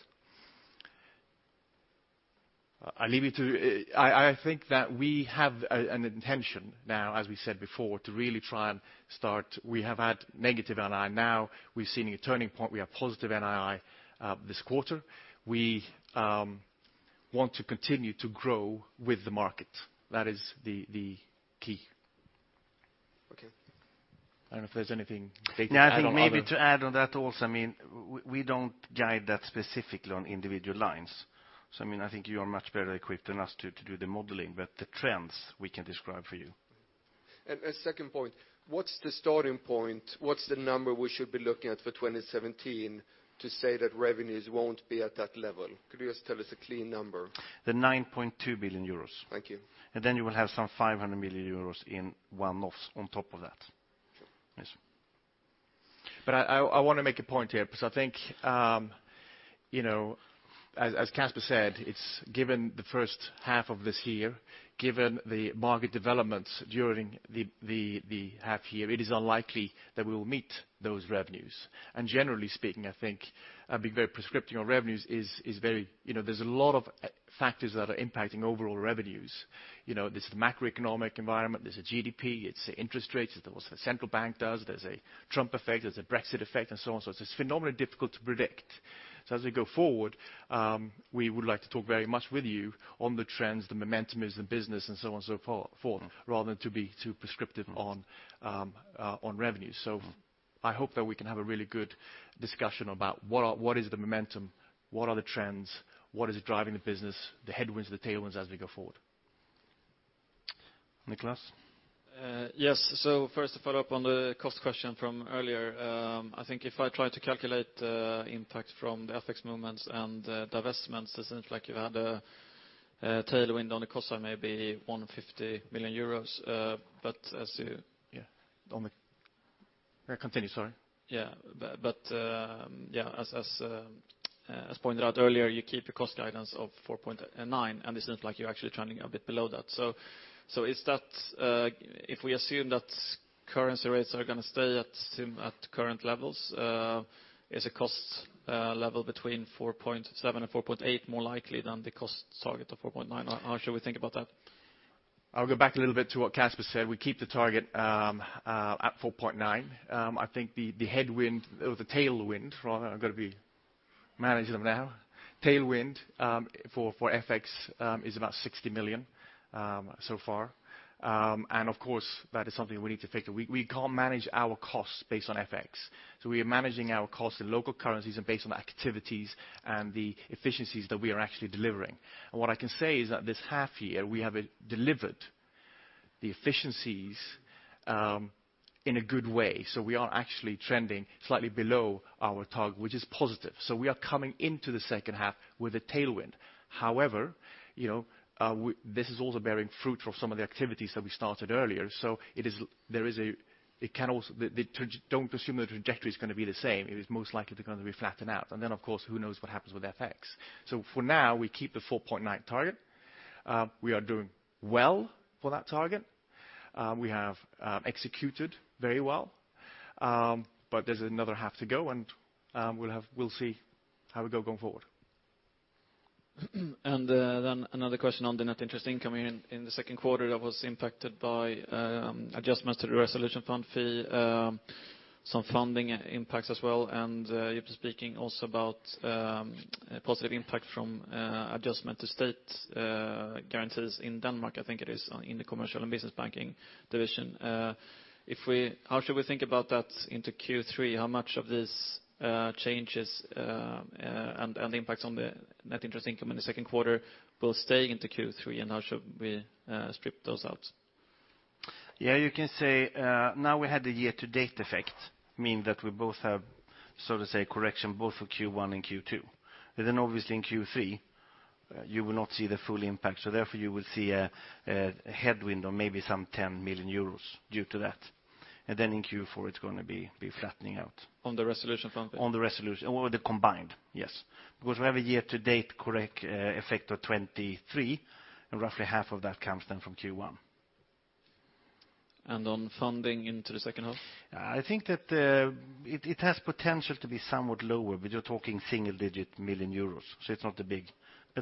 I think that we have an intention now, as we said before, to really try and start. We have had negative NII. We've seen a turning point. We have positive NII this quarter. We want to continue to grow with the market. That is the key. Okay. I don't know if there's anything they can add on. I think maybe to add on that also, we don't guide that specifically on individual lines. I think you are much better equipped than us to do the modeling, but the trends we can describe for you. A second point, what's the starting point? What's the number we should be looking at for 2017 to say that revenues won't be at that level? Could you just tell us a clean number? The 9.2 billion euros. Thank you. You will have some 500 million euros in one-offs on top of that. Yes. I want to make a point here, because I think, as Casper said, given the first half of this year, given the market developments during the half year, it is unlikely that we will meet those revenues. Generally speaking, I think being very prescriptive on revenues is. There's a lot of factors that are impacting overall revenues. There's the macroeconomic environment, there's the GDP, it's the interest rates, what the central bank does, there's a Trump effect, there's a Brexit effect, and so on and so forth. It's phenomenally difficult to predict. As we go forward, we would like to talk very much with you on the trends, the momentum is the business, and so on and so forth, rather than to be too prescriptive on revenue. I hope that we can have a really good discussion about what is the momentum, what are the trends, what is driving the business, the headwinds, the tailwinds as we go forward. Nicolas. Yes. First to follow up on the cost question from earlier. I think if I try to calculate the impact from the FX movements and divestments, it seems like you've had a tailwind on the cost side, maybe EUR 150 million. Yeah. Continue, sorry. Yeah. As pointed out earlier, you keep your cost guidance of 4.9 billion, and it seems like you're actually trending a bit below that. If we assume that currency rates are going to stay at current levels, is a cost level between 4.7% and 4.8% more likely than the cost target of 4.9 billion? How should we think about that? I'll go back a little bit to what Casper said. We keep the target at 4.9 billion. I think the headwind or the tailwind. Tailwind for FX is about 60 million so far. Of course, that is something we need to fix. We can't manage our costs based on FX, so we are managing our costs in local currencies and based on activities and the efficiencies that we are actually delivering. What I can say is that this half year we have delivered the efficiencies in a good way. We are actually trending slightly below our target, which is positive. We are coming into the second half with a tailwind. However, this is also bearing fruit for some of the activities that we started earlier. Don't presume the trajectory is going to be the same. It is most likely going to be flattened out. Then, of course, who knows what happens with FX. For now, we keep the 4.9 billion target. We are doing well for that target. We have executed very well. There's another half to go and we'll see how we go going forward. Then another question on the Net Interest Income in the second quarter that was impacted by adjustments to the Resolution Fund fee, some funding impacts as well, and you've been speaking also about positive impact from adjustment to state guarantees in Denmark, I think it is, in the commercial and business banking division. How should we think about that into Q3? How much of these changes and the impacts on the Net Interest Income in the second quarter will stay into Q3, and how should we strip those out? Yeah, you can say now we had a year-to-date effect, mean that we both have so to say correction both for Q1 and Q2. Then obviously in Q3, you will not see the full impact, therefore you will see a headwind of maybe some 10 million euros due to that. Then in Q4 it's going to be flattening out. On the Resolution Fund fee? On the combined, yes. We have a year-to-date correct effect of 23, and roughly half of that comes from Q1. On funding into the second half? I think that it has potential to be somewhat lower, you're talking single-digit million EUR, it's not that big.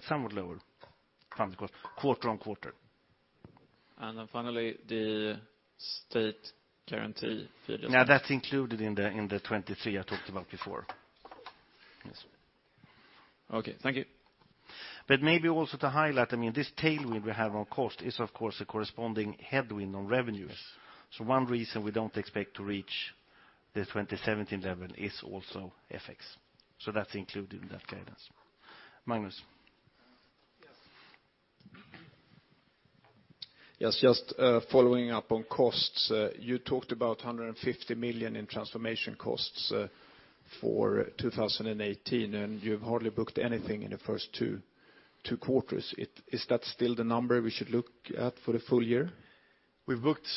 Somewhat lower from quarter-on-quarter. Finally, the state guarantee fee- No, that's included in the 23 I talked about before. Yes. Okay. Thank you. Maybe also to highlight, this tailwind we have on cost is of course a corresponding headwind on revenues. One reason we don't expect to reach the 2017 level is also FX. That's included in that guidance. Magnus. Yes. Just following up on costs. You talked about 150 million in transformation costs for 2018. You've hardly booked anything in the first two quarters. Is that still the number we should look at for the full year? We've booked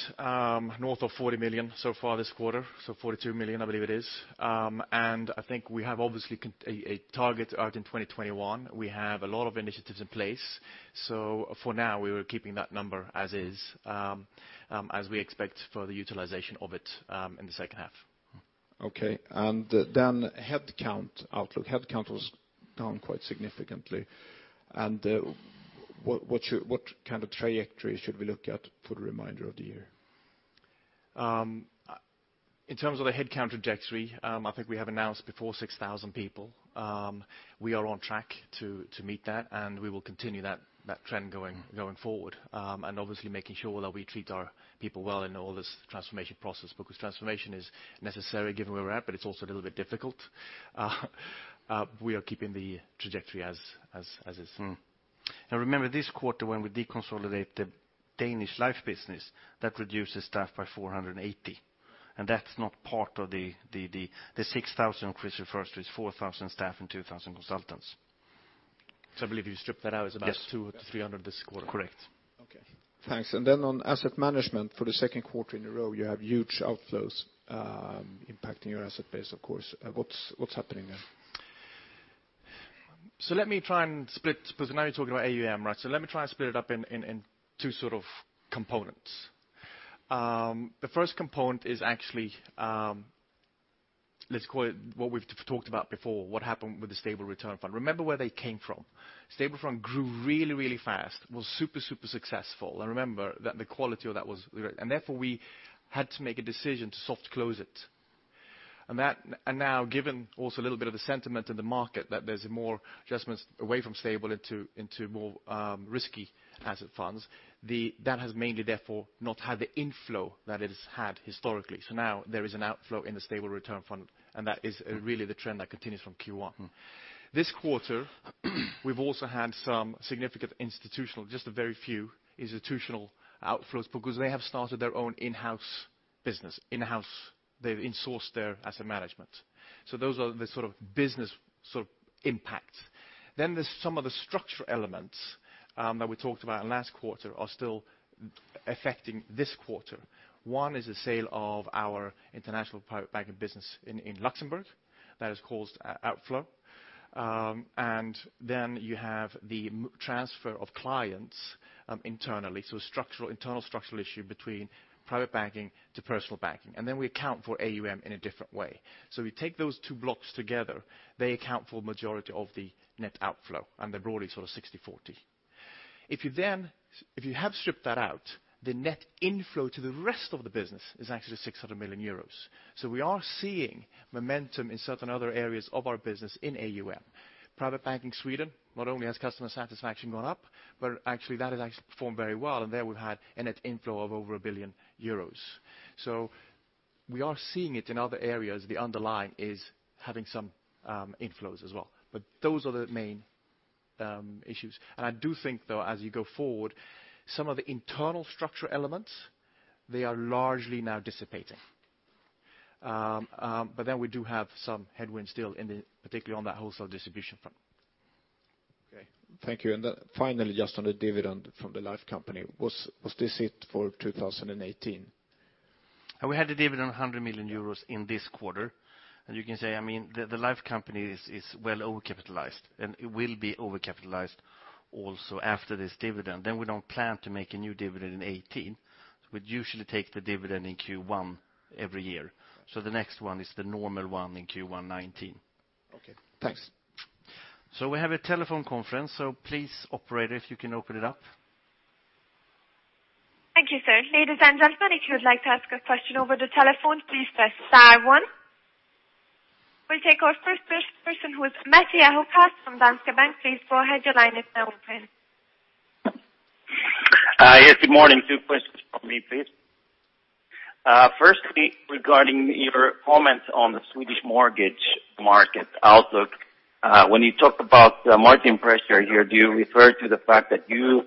north of 40 million so far this quarter, so 42 million I believe it is. I think we have obviously a target out in 2021. We have a lot of initiatives in place. For now, we are keeping that number as is, as we expect for the utilization of it in the second half. Okay. Then headcount outlook. Headcount was down quite significantly. What kind of trajectory should we look at for the remainder of the year? In terms of the headcount trajectory, I think we have announced before 6,000 people. We are on track to meet that. We will continue that trend going forward. Obviously making sure that we treat our people well in all this transformation process, because transformation is necessary given where we're at, but it's also a little bit difficult. We are keeping the trajectory as is. Remember this quarter when we deconsolidate the Nordea Life and Pension Denmark business, that reduces staff by 480, and that's not part of the 6,000 Chris refers to, is 4,000 staff and 2,000 consultants. I believe you strip that out, it's about 2-300 this quarter. Correct. Okay. Thanks. On asset management for the second quarter in a row, you have huge outflows impacting your asset base, of course. What's happening there? Let me try and split, because now you're talking about AUM, right? Let me try and split it up in two sort of components. The first component is actually, let's call it what we've talked about before, what happened with the Stable Return Fund. Remember where they came from. Stable Return Fund grew really, really fast, was super successful. Remember that the quality of that was. Therefore we had to make a decision to soft close it. Now given also a little bit of the sentiment in the market that there's more adjustments away from stable into more risky asset funds, that has mainly therefore not had the inflow that it has had historically. Now there is an outflow in the Stable Return Fund, and that is really the trend that continues from Q1. This quarter we've also had some significant institutional, just a very few institutional outflows because they have started their own in-house business. In-house, they've insourced their asset management. Those are the business impact. There's some of the structural elements that we talked about last quarter are still affecting this quarter. One is the sale of our international private banking business in Luxembourg that has caused outflow. You have the transfer of clients internally, so internal structural issue between private banking to personal banking. We account for AUM in a different way. We take those two blocks together, they account for majority of the net outflow, and they're broadly sort of 60/40. If you have stripped that out, the net inflow to the rest of the business is actually 600 million euros. We are seeing momentum in certain other areas of our business in AUM. Private Bank in Sweden, not only has customer satisfaction gone up, but actually that has actually performed very well. There we've had a net inflow of over 1 billion euros. We are seeing it in other areas, the underlying is having some inflows as well. Those are the main issues. I do think, though, as you go forward, some of the internal structure elements, they are largely now dissipating. We do have some headwinds still, particularly on that wholesale distribution front. Okay. Thank you. Finally, just on the dividend from the life company. Was this it for 2018? We had a dividend of 100 million euros in this quarter. You can say, the life company is well over-capitalized, and it will be over-capitalized also after this dividend. We don't plan to make a new dividend in 2018. We'd usually take the dividend in Q1 every year. The next one is the normal one in Q1 2019. Okay, thanks. We have a telephone conference, please, operator, if you can open it up. Thank you, sir. Ladies and gentlemen, if you would like to ask a question over the telephone, please press star one. We will take our first person who is Mattias Håkansson from Danske Bank. Please go ahead, your line is now open. Yes, good morning. Two questions from me, please. Firstly, regarding your comments on the Swedish mortgage market outlook. When you talk about the margin pressure here, do you refer to the fact that you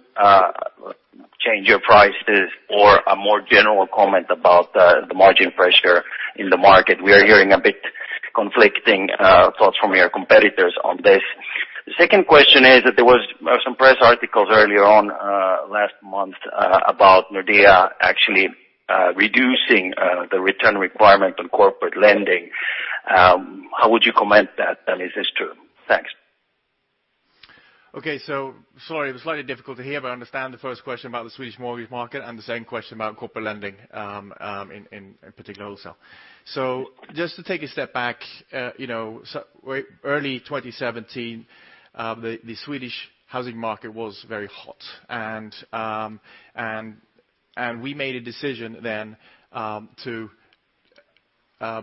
change your prices or a more general comment about the margin pressure in the market? We are hearing a bit conflicting thoughts from your competitors on this. The second question is that there was some press articles earlier on last month, about Nordea actually reducing the return requirement on corporate lending. How would you comment that, and is this true? Thanks. Sorry, it was slightly difficult to hear, but I understand the first question about the Swedish mortgage market and the second question about corporate lending, in particular wholesale. Just to take a step back, early 2017, the Swedish housing market was very hot. We made a decision then to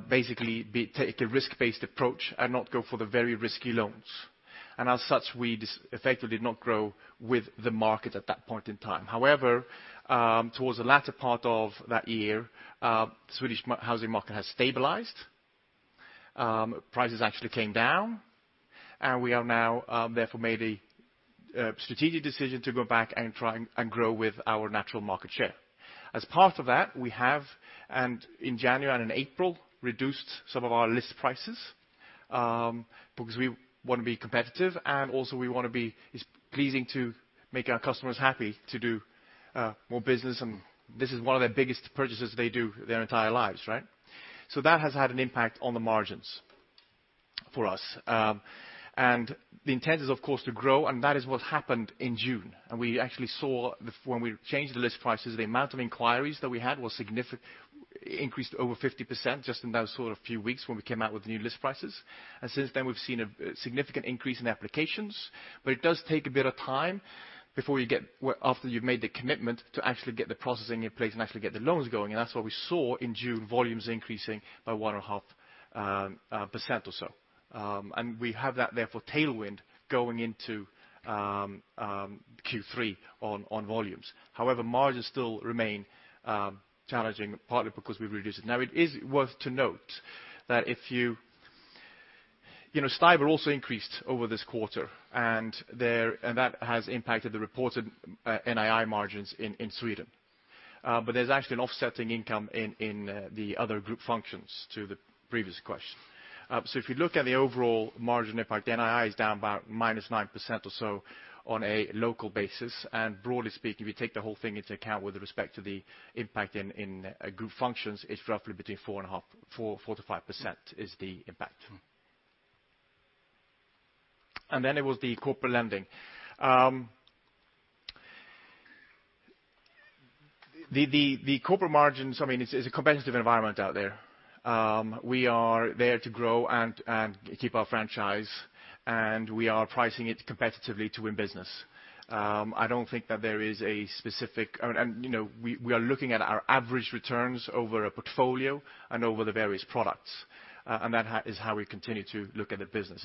basically take a risk-based approach and not go for the very risky loans. As such, we effectively did not grow with the market at that point in time. However, towards the latter part of that year, Swedish housing market has stabilized. Prices actually came down, and we have now therefore made a strategic decision to go back and try and grow with our natural market share. As part of that, we have, in January and in April, reduced some of our list prices, because we want to be competitive and also it's pleasing to make our customers happy to do more business, and this is one of their biggest purchases they do their entire lives. That has had an impact on the margins for us. The intent is, of course, to grow, and that is what happened in June. We actually saw when we changed the list prices, the amount of inquiries that we had increased over 50%, just in those sort of few weeks when we came out with the new list prices. Since then, we've seen a significant increase in applications. It does take a bit of time after you've made the commitment, to actually get the processing in place and actually get the loans going. That's what we saw in June, volumes increasing by 1.5% or so. We have that, therefore, tailwind going into Q3 on volumes. However, margins still remain challenging, partly because we've reduced it. Now it is worth to note that STIBOR also increased over this quarter, and that has impacted the reported NII margins in Sweden. There's actually an offsetting income in the other group functions to the previous question. If you look at the overall margin impact, NII is down about -9% or so on a local basis. Broadly speaking, if you take the whole thing into account with respect to the impact in group functions, it's roughly between 4%-5%, is the impact. Then it was the corporate lending. The corporate margins, it's a competitive environment out there. We are there to grow and keep our franchise, and we are pricing it competitively to win business. We are looking at our average returns over a portfolio and over the various products. That is how we continue to look at the business.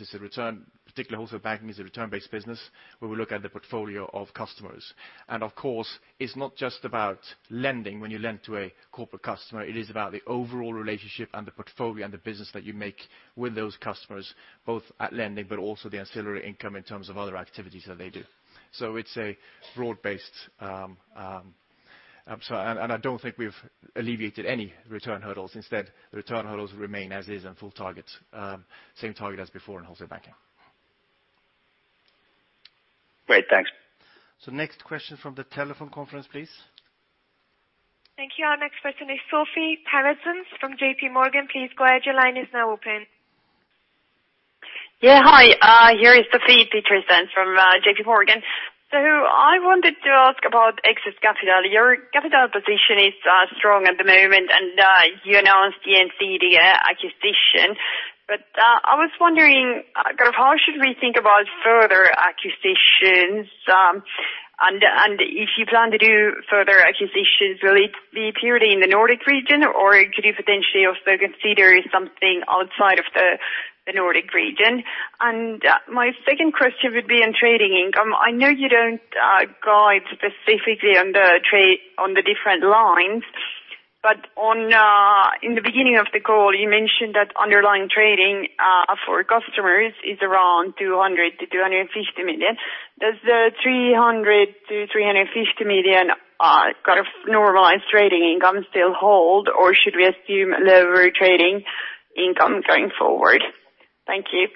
Particularly wholesale banking is a return-based business, where we look at the portfolio of customers. Of course, it's not just about lending when you lend to a corporate customer, it is about the overall relationship and the portfolio and the business that you make with those customers, both at lending, but also the ancillary income in terms of other activities that they do. It's broad based. I don't think we've alleviated any return hurdles. Instead, the return hurdles remain as is on full target. Same target as before in wholesale banking. Great. Thanks. Next question from the telephone conference, please. Thank you. Our next person is Sophie Lund-Yates from JP Morgan. Please go ahead, your line is now open. Yeah. Hi, here is Sophie Lund-Yates from JP Morgan. I wanted to ask about excess capital. Your capital position is strong at the moment, and you announced the Gjensidige acquisition. I was wondering, how should we think about further acquisitions, and if you plan to do further acquisitions, will it be purely in the Nordic region or could you potentially also consider something outside of the Nordic region? My second question would be on trading income. I know you don't guide specifically on the different lines, but in the beginning of the call, you mentioned that underlying trading for customers is around 200 million-250 million. Does the 300 million-350 million normalized trading income still hold, or should we assume lower trading income going forward? Thank you.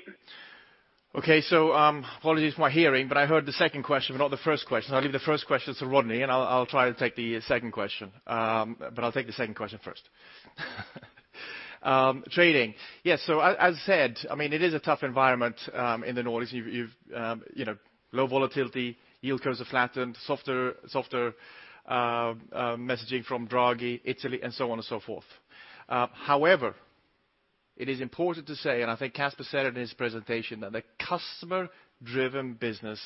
Apologies for my hearing, but I heard the second question, but not the first question. I'll leave the first question to Rodney, and I'll try to take the second question. I'll take the second question first. Trading. Yes, as I said, it is a tough environment in the Nordics. Low volatility, yield curves are flattened, softer messaging from Draghi, Italy, and so on and so forth. It is important to say, and I think Casper said it in his presentation, that the customer-driven business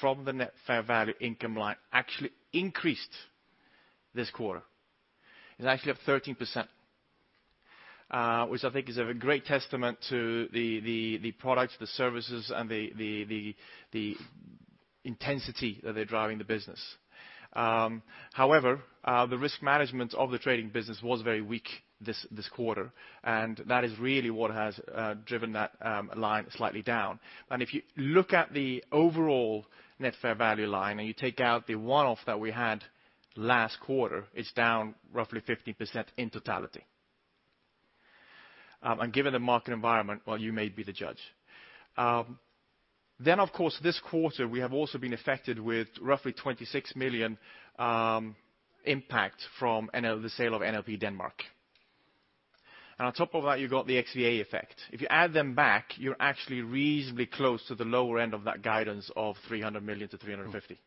from the Net Fair Value income line actually increased this quarter. It's actually up 13%, which I think is a great testament to the products, the services, and the intensity that they're driving the business. The risk management of the trading business was very weak this quarter, and that is really what has driven that line slightly down. If you look at the overall Net Fair Value line, and you take out the one-off that we had last quarter, it's down roughly 15% in totality. Given the market environment, well, you may be the judge. Of course, this quarter, we have also been affected with roughly 26 million impact from the sale of NLP Denmark. On top of that, you got the XVA effect. If you add them back, you're actually reasonably close to the lower end of that guidance of 300 million to 350 million.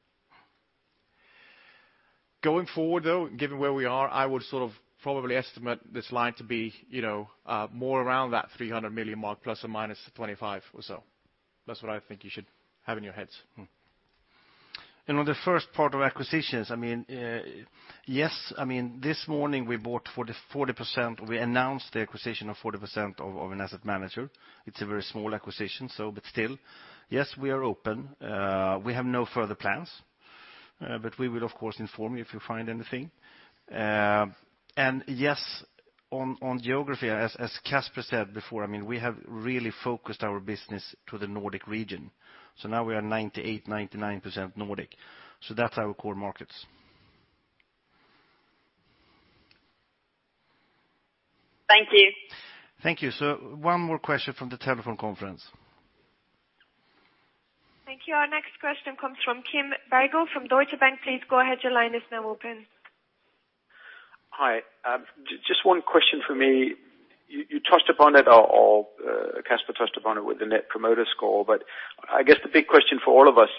Going forward, though, given where we are, I would probably estimate this line to be more around that 300 million mark, ±25 or so. That's what I think you should have in your heads. On the first part of acquisitions, yes, this morning we bought 40%, we announced the acquisition of 40% of an asset manager. It's a very small acquisition, but still. Yes, we are open. We have no further plans. We will of course inform you if we find anything. Yes, on geography, as Casper said before, we have really focused our business to the Nordic region. Now we are 98%, 99% Nordic. That's our core markets. Thank you. Thank you. One more question from the telephone conference. Thank you. Our next question comes from Kinner Lakhani from Deutsche Bank. Please go ahead, your line is now open. Hi. Just one question for me. You touched upon it or Casper touched upon it with the Net Promoter Score, I guess the big question for all of us,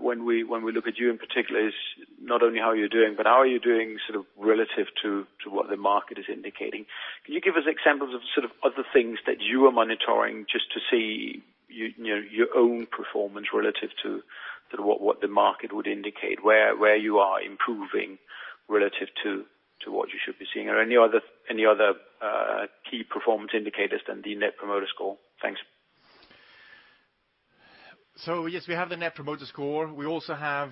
when we look at you in particular, is not only how you're doing, how are you doing relative to what the market is indicating. Can you give us examples of other things that you are monitoring just to see your own performance relative to what the market would indicate, where you are improving relative to what you should be seeing? Are there any other key performance indicators than the Net Promoter Score? Thanks. Yes, we have the Net Promoter Score. We also have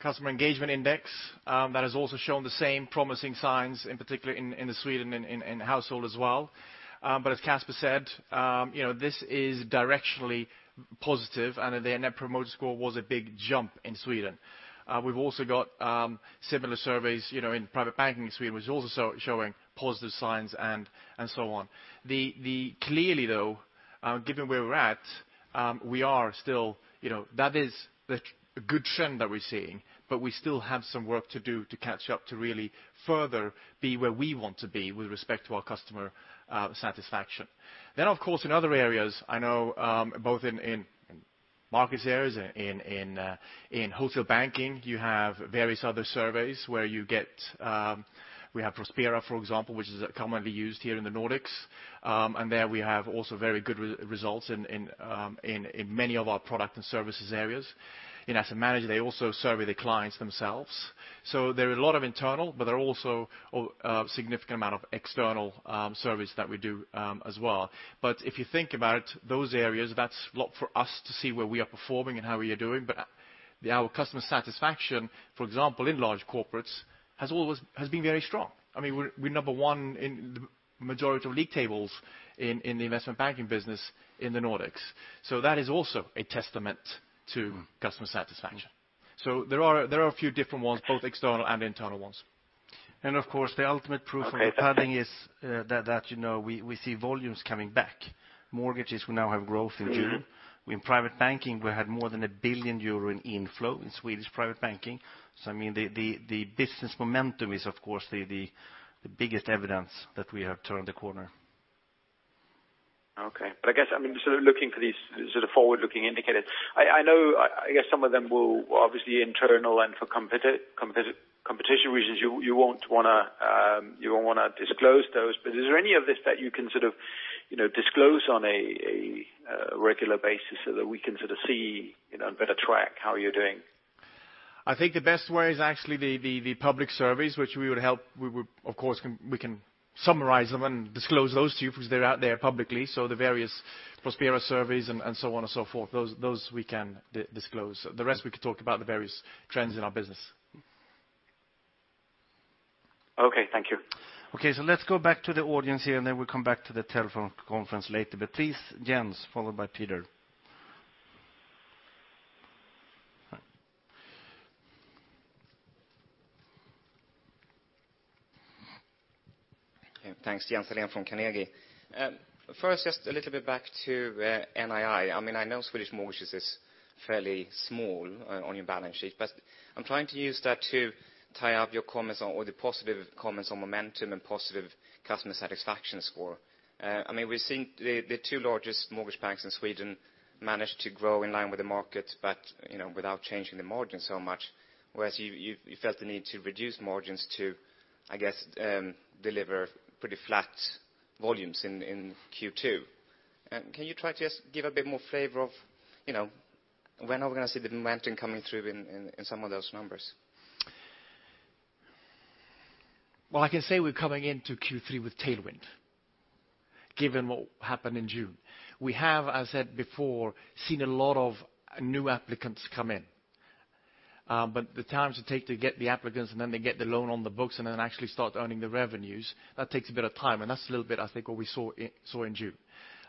Customer Engagement Index. That has also shown the same promising signs, in particular in Sweden and household as well. As Casper said, this is directionally positive, the Net Promoter Score was a big jump in Sweden. We've also got similar surveys in private banking in Sweden, which is also showing positive signs, and so on. Clearly, though, given where we're at, that is the good trend that we're seeing, we still have some work to do to catch up to really further be where we want to be with respect to our customer satisfaction. Then of course, in other areas, I know both in markets areas, in wholesale banking, you have various other surveys. We have Prospera, for example, which is commonly used here in the Nordics. There we have also very good results in many of our product and services areas. In asset management, they also survey the clients themselves. There are a lot of internal, but there are also a significant amount of external surveys that we do as well. If you think about those areas, that's a lot for us to see where we are performing and how we are doing. Our customer satisfaction, for example, in large corporates, has been very strong. We're number one in the majority of league tables in the investment banking business in the Nordics. That is also a testament to customer satisfaction. There are a few different ones, both external and internal ones. Of course, the ultimate proof of the pudding is that we see volumes coming back. Mortgages now have growth in June. In private banking, we had more than a 1 billion euro inflow in Swedish private banking. The business momentum is, of course, the biggest evidence that we have turned the corner. Okay. I guess, looking for these forward-looking indicators. I know some of them will obviously internal, and for competition reasons, you won't want to disclose those. Is there any of this that you can disclose on a regular basis so that we can see and better track how you're doing? I think the best way is actually the public surveys, which we will help. Of course, we can summarize them and disclose those to you because they're out there publicly, the various Prospera surveys and so on and so forth, those we can disclose. The rest, we can talk about the various trends in our business. Okay, thank you. Okay. Let's go back to the audience here and then we'll come back to the telephone conference later. Petrus Advisers, followed by Peter. Okay. Thanks. Jens Hallén from Carnegie. First, just a little bit back to NII. I know Swedish mortgages is fairly small on your balance sheet, but I'm trying to use that to tie up your comments or the positive comments on momentum and positive customer satisfaction score. We're seeing the two largest mortgage banks in Sweden manage to grow in line with the market, but without changing the margin so much. Whereas you felt the need to reduce margins to, I guess, deliver pretty flat volumes in Q2. Can you try to just give a bit more flavor of when are we going to see the momentum coming through in some of those numbers? Well, I can say we're coming into Q3 with tailwind, given what happened in June. We have, as I said before, seen a lot of new applicants come in. The time to take to get the applicants, and then they get the loan on the books, and then actually start earning the revenues, that takes a bit of time, and that's a little bit, I think, what we saw in June.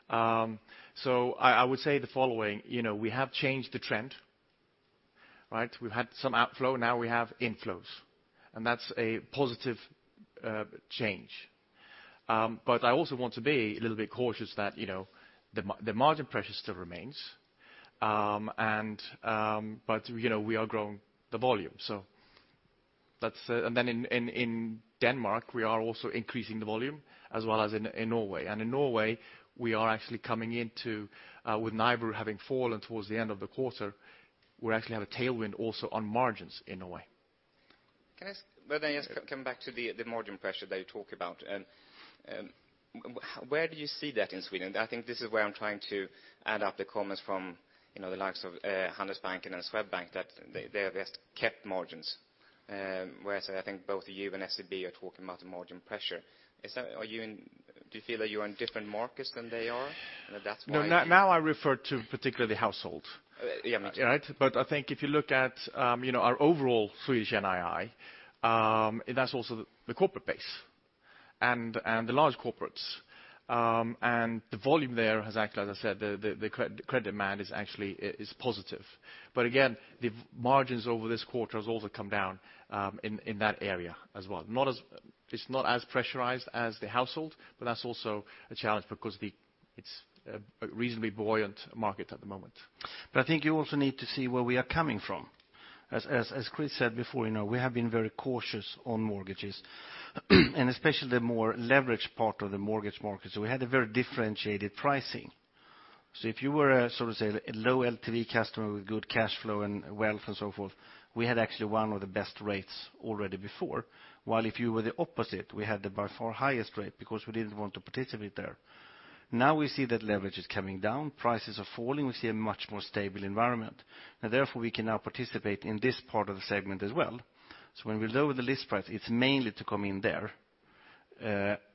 I would say the following. We have changed the trend. We've had some outflow, now we have inflows. That's a positive change. I also want to be a little bit cautious that the margin pressure still remains. We are growing the volume. Then in Denmark, we are also increasing the volume as well as in Norway. In Norway, we are actually coming into, with NIBOR having fallen towards the end of the quarter, we actually have a tailwind also on margins in Norway. Can I just come back to the margin pressure that you talk about. Where do you see that in Sweden? I think this is where I'm trying to add up the comments from the likes of Handelsbanken and Swedbank that they have just kept margins. Whereas I think both you and SEB are talking about the margin pressure. Do you feel that you're on different markets than they are and that's why- No, now I refer to particularly household. Yeah, I mean- I think if you look at our overall Swedish NII, that's also the corporate base and the large corporates. The volume there has actually, as I said, the credit demand is actually positive. The margins over this quarter has also come down in that area as well. It's not as pressurized as the household, but that's also a challenge because it's a reasonably buoyant market at the moment. I think you also need to see where we are coming from. As Chris said before, we have been very cautious on mortgages, and especially the more leveraged part of the mortgage market. We had a very differentiated pricing. If you were a, so to say, a low LTV customer with good cash flow and wealth and so forth, we had actually one of the best rates already before. While if you were the opposite, we had the by far highest rate because we didn't want to participate there. We see that leverage is coming down, prices are falling, we see a much more stable environment. Therefore, we can now participate in this part of the segment as well. When we lower the list price, it's mainly to come in there,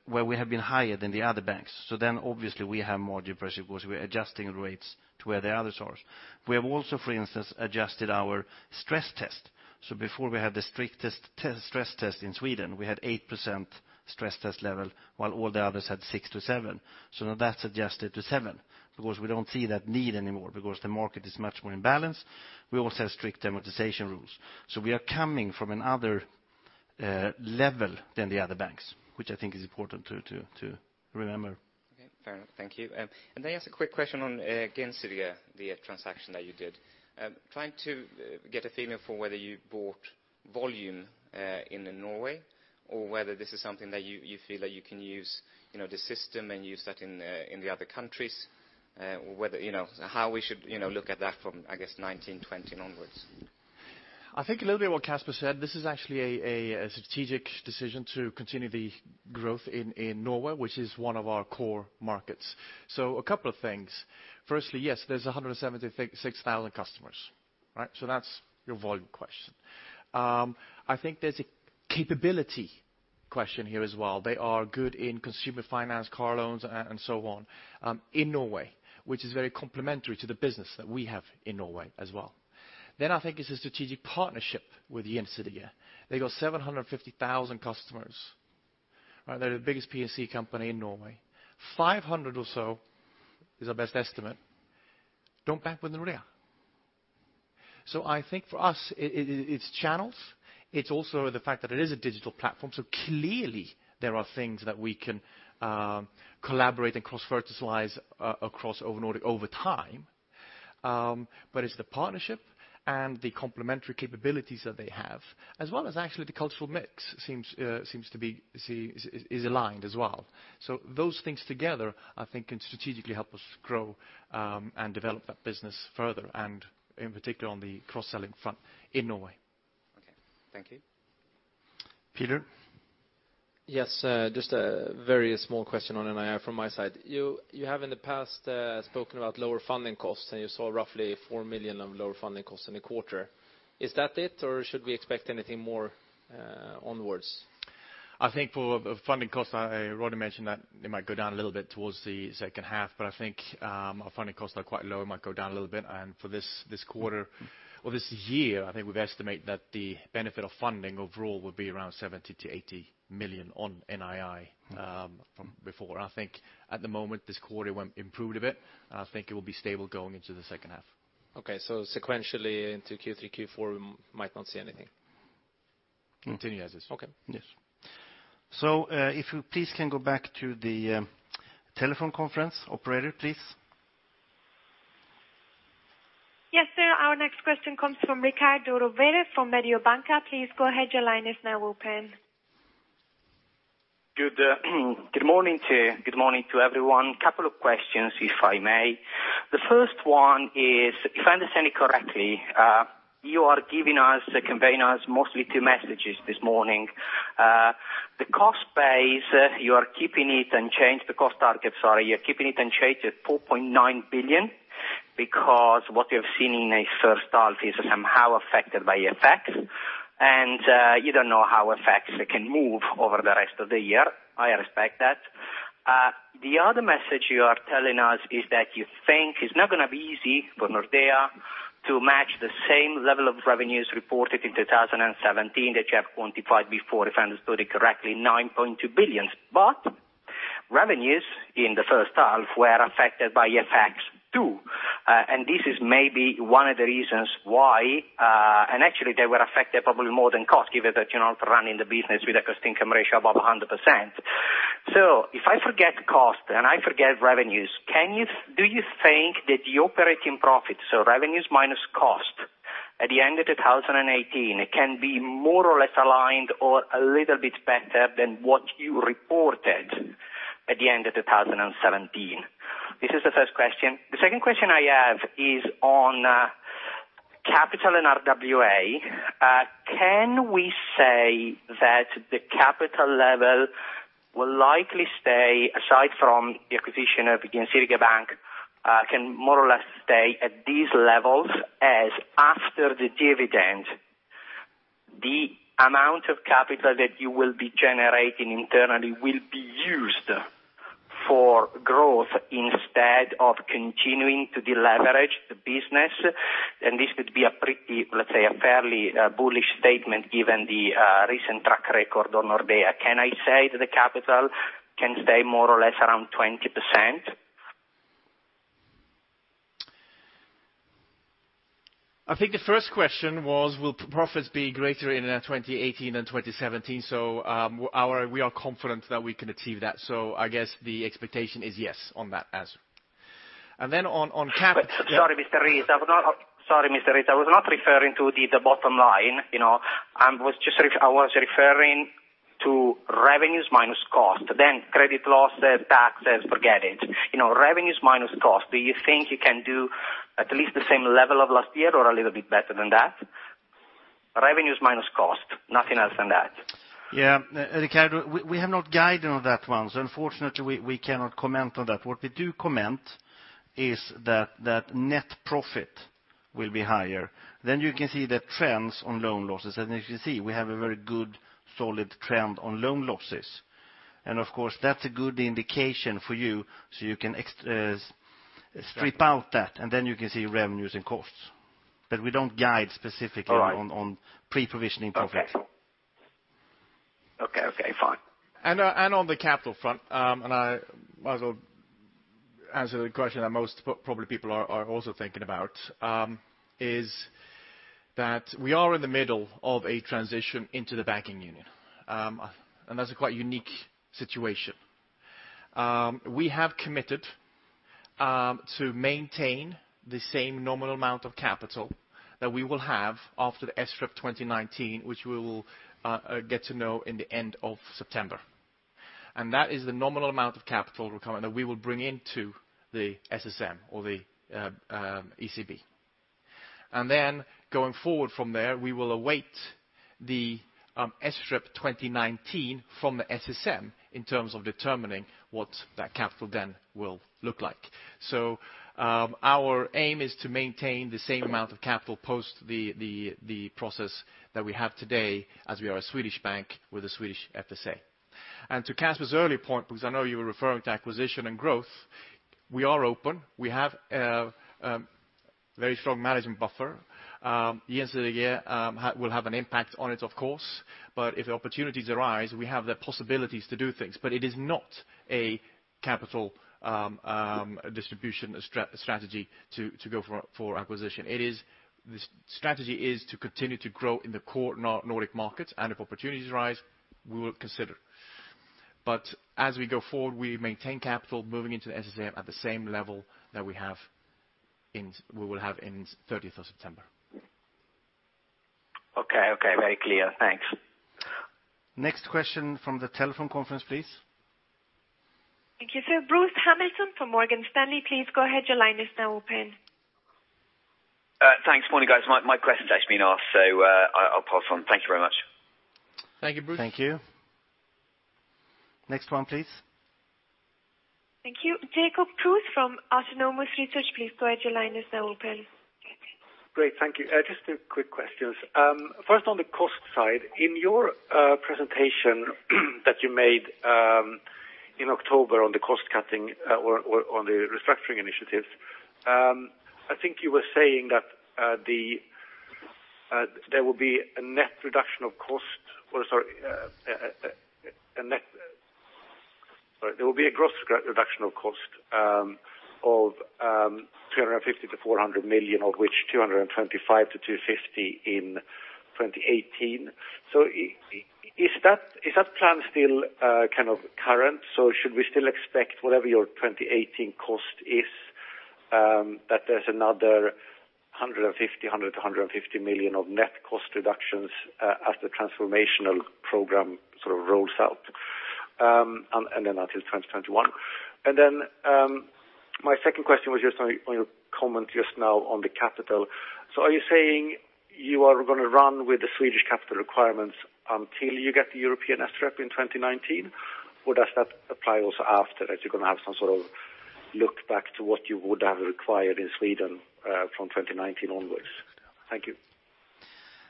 where we have been higher than the other banks. Obviously we have margin pressure because we're adjusting rates to where the others are. We have also, for instance, adjusted our stress test. Before we had the strictest stress test in Sweden. We had 8% stress test level, while all the others had 6%-7%. Now that's adjusted to 7%, because we don't see that need anymore because the market is much more in balance. We also have strict amortization rules. We are coming from another level than the other banks, which I think is important to remember. Okay. Fair enough. Thank you. May I ask a quick question on Gjensidige, the transaction that you did? Trying to get a feeling for whether you bought volume in Norway or whether this is something that you feel that you can use the system and use that in the other countries, how we should look at that from, I guess, 2019, 2020 onwards. I think a little bit of what Casper said, this is actually a strategic decision to continue the growth in Norway, which is one of our core markets. A couple of things. Firstly, yes, there's 176,000 customers. That's your volume question. I think there's a capability question here as well. They are good in consumer finance, car loans, and so on in Norway, which is very complementary to the business that we have in Norway as well. I think it's a strategic partnership with Gjensidige. They got 750,000 customers. They're the biggest P&C company in Norway. 500 or so is our best estimate. Don't bank with Nordea. I think for us, it's channels. It's also the fact that it is a digital platform. Clearly there are things that we can collaborate and cross-fertilize across over Nordic over time. It's the partnership and the complementary capabilities that they have, as well as actually the cultural mix seems to be is aligned as well. Those things together, I think can strategically help us grow and develop that business further, and in particular on the cross-selling front in Norway. Okay. Thank you. Peter? Yes. Just a very small question on NII from my side. You have in the past spoken about lower funding costs, and you saw roughly 4 million of lower funding costs in a quarter. Is that it, or should we expect anything more onwards? I think for funding costs, I already mentioned that it might go down a little bit towards the second half, but I think our funding costs are quite low. It might go down a little bit. For this quarter or this year, I think we've estimated that the benefit of funding overall will be around 70 million-80 million on NII from before. I think at the moment, this quarter improved a bit. I think it will be stable going into the second half. Okay. Sequentially into Q3, Q4, we might not see anything. Continue as is. Okay. Yes. If you please can go back to the telephone conference. Operator, please. Yes, sir. Our next question comes from Riccardo Rovere from Mediobanca. Please go ahead. Your line is now open. Good morning to everyone. Couple of questions, if I may. The first one is, if I understand it correctly, you are conveying us mostly two messages this morning. The cost base, you are keeping it unchanged. The cost target, sorry. You're keeping it unchanged at 4.9 billion because what you have seen in the first half is somehow affected by FX, and you don't know how FX can move over the rest of the year. I respect that. The other message you are telling us is that you think it's not going to be easy for Nordea to match the same level of revenues reported in 2017 that you have quantified before. If I understood it correctly, 9.2 billion. Revenues in the first half were affected by FX, too. This is maybe one of the reasons why actually they were affected probably more than cost given that you're not running the business with a cost-income ratio above 100%. If I forget cost and I forget revenues, do you think that the operating profit, so revenues minus cost at the end of 2018, can be more or less aligned or a little bit better than what you reported at the end of 2017? This is the first question. The second question I have is on capital and RWA. Can we say that the capital level will likely stay, aside from the acquisition of Gjensidige Bank, can more or less stay at these levels as after the dividend, the amount of capital that you will be generating internally will be used for growth instead of continuing to deleverage the business? This could be a pretty, let's say, a fairly bullish statement given the recent track record on Nordea. Can I say that the capital can stay more or less around 20%? I think the first question was, will profits be greater in 2018 than 2017? We are confident that we can achieve that. I guess the expectation is yes on that answer. Sorry, Mr. Rees. I was not referring to the bottom line. I was referring to revenues minus cost. Credit loss, taxes, forget it. Revenues minus cost. Do you think you can do at least the same level of last year or a little bit better than that? Revenues minus cost, nothing else than that. Yeah. Riccardo, we have not guided on that one. Unfortunately, we cannot comment on that. What we do comment is that net profit will be higher. You can see the trends on loan losses. As you can see, we have a very good solid trend on loan losses. Of course, that's a good indication for you so you can strip out that, you can see revenues and costs. We don't guide specifically on pre-provisioning profits. Okay. Fine. On the capital front, I might as well answer the question that most probably people are also thinking about, is that we are in the middle of a transition into the banking union. That's a quite unique situation. We have committed to maintain the same nominal amount of capital that we will have after the SREP 2019, which we will get to know in the end of September. That is the nominal amount of capital requirement that we will bring into the SSM or the ECB. Going forward from there, we will await the SREP 2019 from the SSM in terms of determining what that capital then will look like. Our aim is to maintain the same amount of capital post the process that we have today as we are a Swedish bank with a Swedish FSA. To Casper's earlier point, because I know you were referring to acquisition and growth, we are open. We have a very strong management buffer. Years of the year will have an impact on it, of course. If opportunities arise, we have the possibilities to do things. It is not a capital distribution strategy to go for acquisition. The strategy is to continue to grow in the core Nordic markets, and if opportunities arise, we will consider. As we go forward, we maintain capital moving into the SSM at the same level that we will have in 30th of September. Okay. Very clear. Thanks. Next question from the telephone conference, please. Thank you, sir. Bruce Hamilton from Morgan Stanley, please go ahead. Your line is now open. Thanks. Morning, guys. My question's actually been asked. I'll pause on. Thank you very much. Thank you, Bruce. Thank you. Next one, please. Thank you. Jacob Kruse from Autonomous Research, please go ahead, your line is now open. Great. Thank you. Just two quick questions. First, on the cost side, in your presentation that you made in October on the cost cutting or on the restructuring initiatives, I think you were saying that there will be a gross reduction of cost of 350 million-400 million, of which 225 million-250 million in 2018. Is that plan still current? Should we still expect whatever your 2018 cost is, that there's another 100 million-150 million of net cost reductions as the transformational program rolls out, until 2021? My second question was just on your comment just now on the capital. Are you saying you are going to run with the Swedish capital requirements until you get the European SREP in 2019? Does that apply also after, as you're going to have some sort of look back to what you would have required in Sweden from 2019 onwards? Thank you.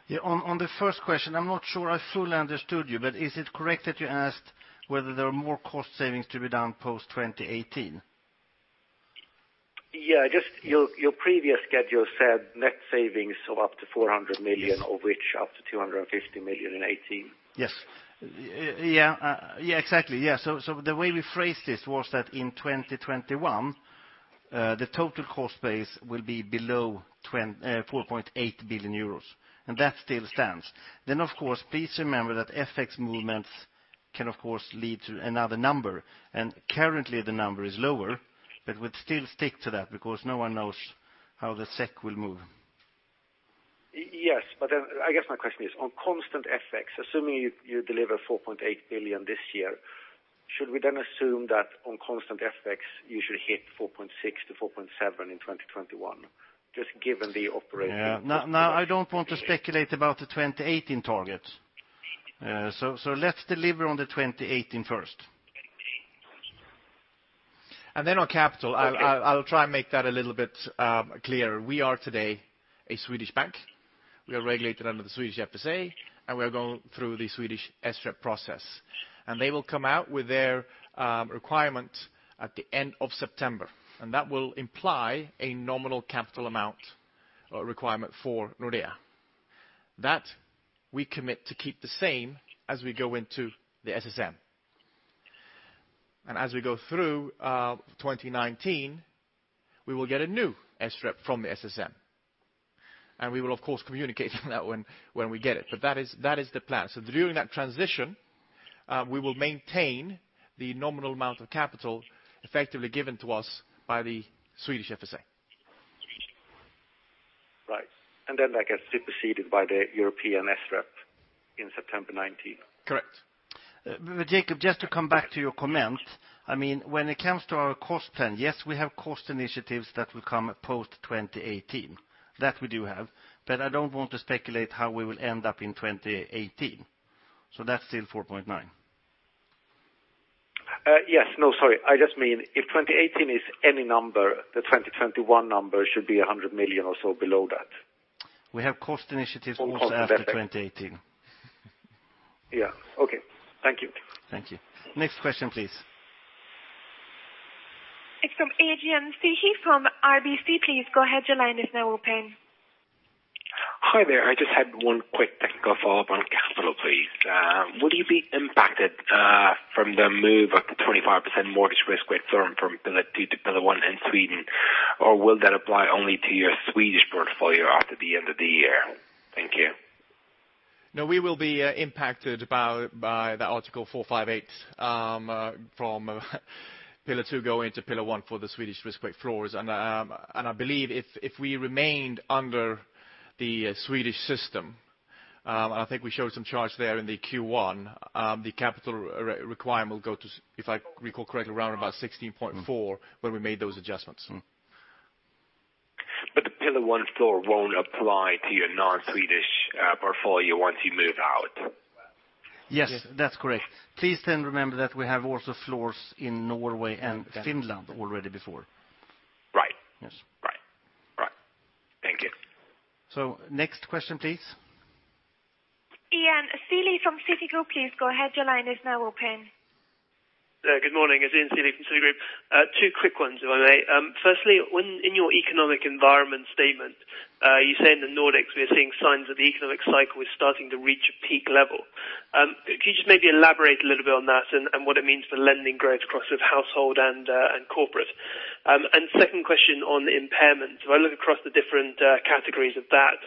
Yeah, on the first question, I'm not sure I fully understood you, is it correct that you asked whether there are more cost savings to be done post-2018? Yeah. Just your previous schedule said net savings of up to 400 million, of which up to 250 million in 2018. Yes. Yeah. Exactly. The way we phrased this was that in 2021, the total cost base will be below 4.8 billion euros, and that still stands. Of course, please remember that FX movements can of course lead to another number, and currently the number is lower, but we'd still stick to that because no one knows how the SEK will move. Yes. I guess my question is on constant FX, assuming you deliver 4.8 billion this year, should we assume that on constant FX, you should hit 4.6 billion to 4.7 billion in 2021, just given the operating Yeah. I don't want to speculate about the 2018 targets. Let's deliver on the 2018 first. On capital- Okay. I'll try and make that a little bit clearer. We are today a Swedish bank. We are regulated under the Swedish FSA, and we are going through the Swedish SREP process. They will come out with their requirement at the end of September, and that will imply a nominal capital amount requirement for Nordea. That we commit to keep the same as we go into the SSM. As we go through 2019, we will get a new SREP from the SSM. We will, of course, communicate on that one when we get it. That is the plan. During that transition, we will maintain the nominal amount of capital effectively given to us by the Swedish FSA. Right. That gets superseded by the European SREP in September 2019. Correct. Jacob, just to come back to your comment, when it comes to our cost plan, yes, we have cost initiatives that will come post-2018. That we do have. I don't want to speculate how we will end up in 2018. That's still 4.9 billion. Yes. No, sorry. I just mean if 2018 is any number, the 2021 number should be 100 million or so below that. We have cost initiatives also after 2018. Yeah. Okay. Thank you. Thank you. Next question, please. It is from Adrian Cighi from RBC. Please go ahead, your line is now open. Hi there. I just had one quick technical follow-up on capital, please. Will you be impacted from the move of the 25% mortgage risk weight firm from Pillar 2 to Pillar 1 in Sweden, or will that apply only to your Swedish portfolio after the end of the year? Thank you. No, we will be impacted by the Article 458 from Pillar 2 going to Pillar 1 for the Swedish risk weight floors. I believe if we remained under the Swedish system, and I think we showed some charts there in the Q1, the capital requirement will go to, if I recall correctly, around about 16.4 when we made those adjustments. The Pillar 1 floor won't apply to your non-Swedish portfolio once you move out. Yes, that's correct. Please remember that we have also floors in Norway and Finland already before. Right. Yes. Right. Thank you. Next question, please. Ian Sealey from Citigroup, please go ahead. Your line is now open. Good morning. It's Ian Sealey from Citigroup. Two quick ones, if I may. Firstly, in your economic environment statement, you say in the Nordics we are seeing signs that the economic cycle is starting to reach a peak level. Can you just maybe elaborate a little bit on that and what it means for lending growth across household and corporate? Second question on impairment. If I look across the different categories of that,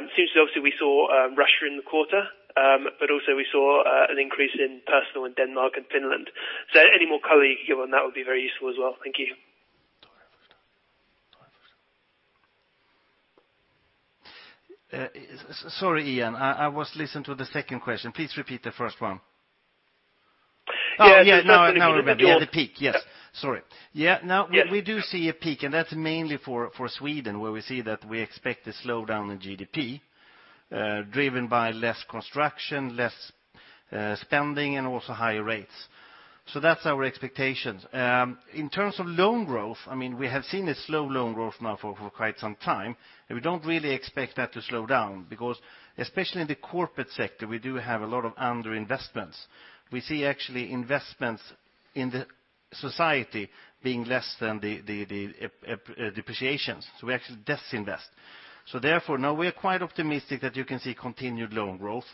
it seems we obviously saw Russia in the quarter, but also we saw an increase in personal in Denmark and Finland. Is there any more color you can give on that would be very useful as well. Thank you. Sorry, Ian. I was listening to the second question. Please repeat the first one. Now we're ready. The peak. Yes. Sorry. No, we do see a peak, and that's mainly for Sweden, where we see that we expect a slowdown in GDP, driven by less construction, less spending, and also higher rates. That's our expectations. In terms of loan growth, we have seen a slow loan growth now for quite some time, and we don't really expect that to slow down because especially in the corporate sector, we do have a lot of underinvestments. We see actually investments in the society being less than the depreciations. We actually disinvest. Therefore, now we are quite optimistic that you can see continued loan growth,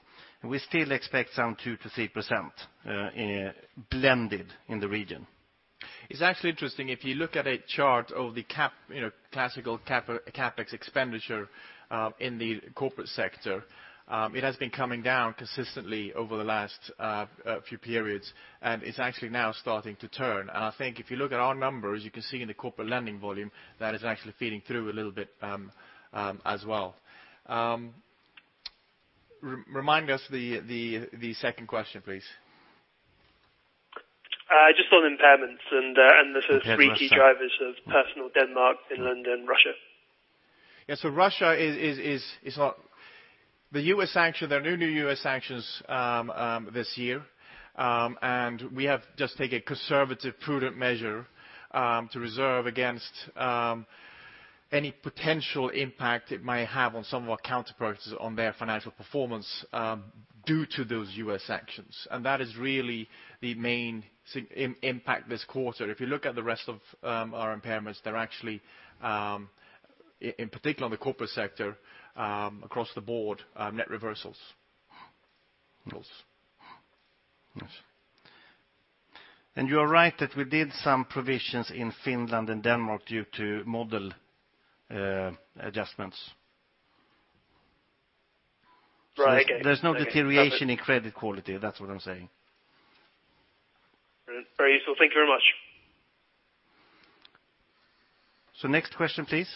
and we still expect some 2% to 3% blended in the region. It's actually interesting, if you look at a chart of the classical CapEx expenditure in the corporate sector, it has been coming down consistently over the last few periods, and it's actually now starting to turn. I think if you look at our numbers, you can see in the corporate lending volume, that is actually feeding through a little bit as well. Remind us the second question, please. Just on impairments and the three key drivers of personal Denmark, Finland, and Russia. There are no new U.S. sanctions this year, and we have just taken a conservative, prudent measure to reserve against any potential impact it might have on some of our counterparties on their financial performance due to those U.S. sanctions. That is really the main impact this quarter. If you look at the rest of our impairments, they're actually, in particular on the corporate sector, across the board, net reversals. Yes. You are right that we did some provisions in Finland and Denmark due to model adjustments. Right. There's no deterioration in credit quality. That's what I'm saying. Very useful. Thank you very much. Next question, please.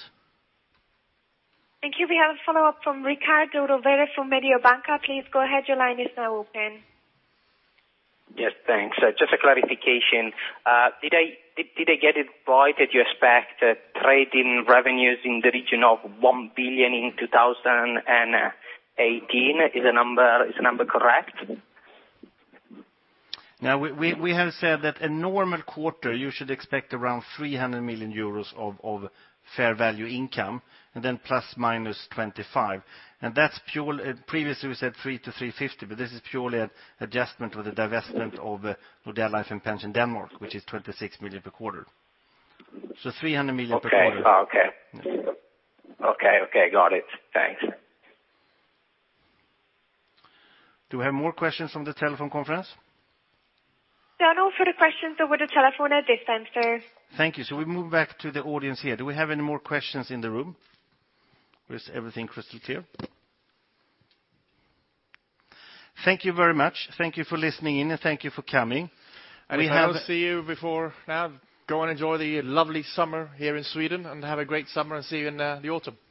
Thank you. We have a follow-up from Riccardo Rovere from Mediobanca. Please go ahead. Your line is now open. Yes. Thanks. Just a clarification. Did I get it right that you expect trading revenues in the region of 1 billion in 2018? Is the number correct? No. We have said that a normal quarter, you should expect around 300 million euros of fair value income, and then ±25 million. Previously we said 300-350 million, but this is purely an adjustment with the divestment of Nordea Life and Pension Denmark, which is 26 million per quarter. 300 million per quarter. Okay. Got it. Thanks. Do we have more questions from the telephone conference? No. No further questions over the telephone at this time, sir. Thank you. We move back to the audience here. Do we have any more questions in the room? Is everything crystal clear? Thank you very much. Thank you for listening in, and thank you for coming. We hope to see you before, now go and enjoy the lovely summer here in Sweden, have a great summer, and see you in the autumn. Thank you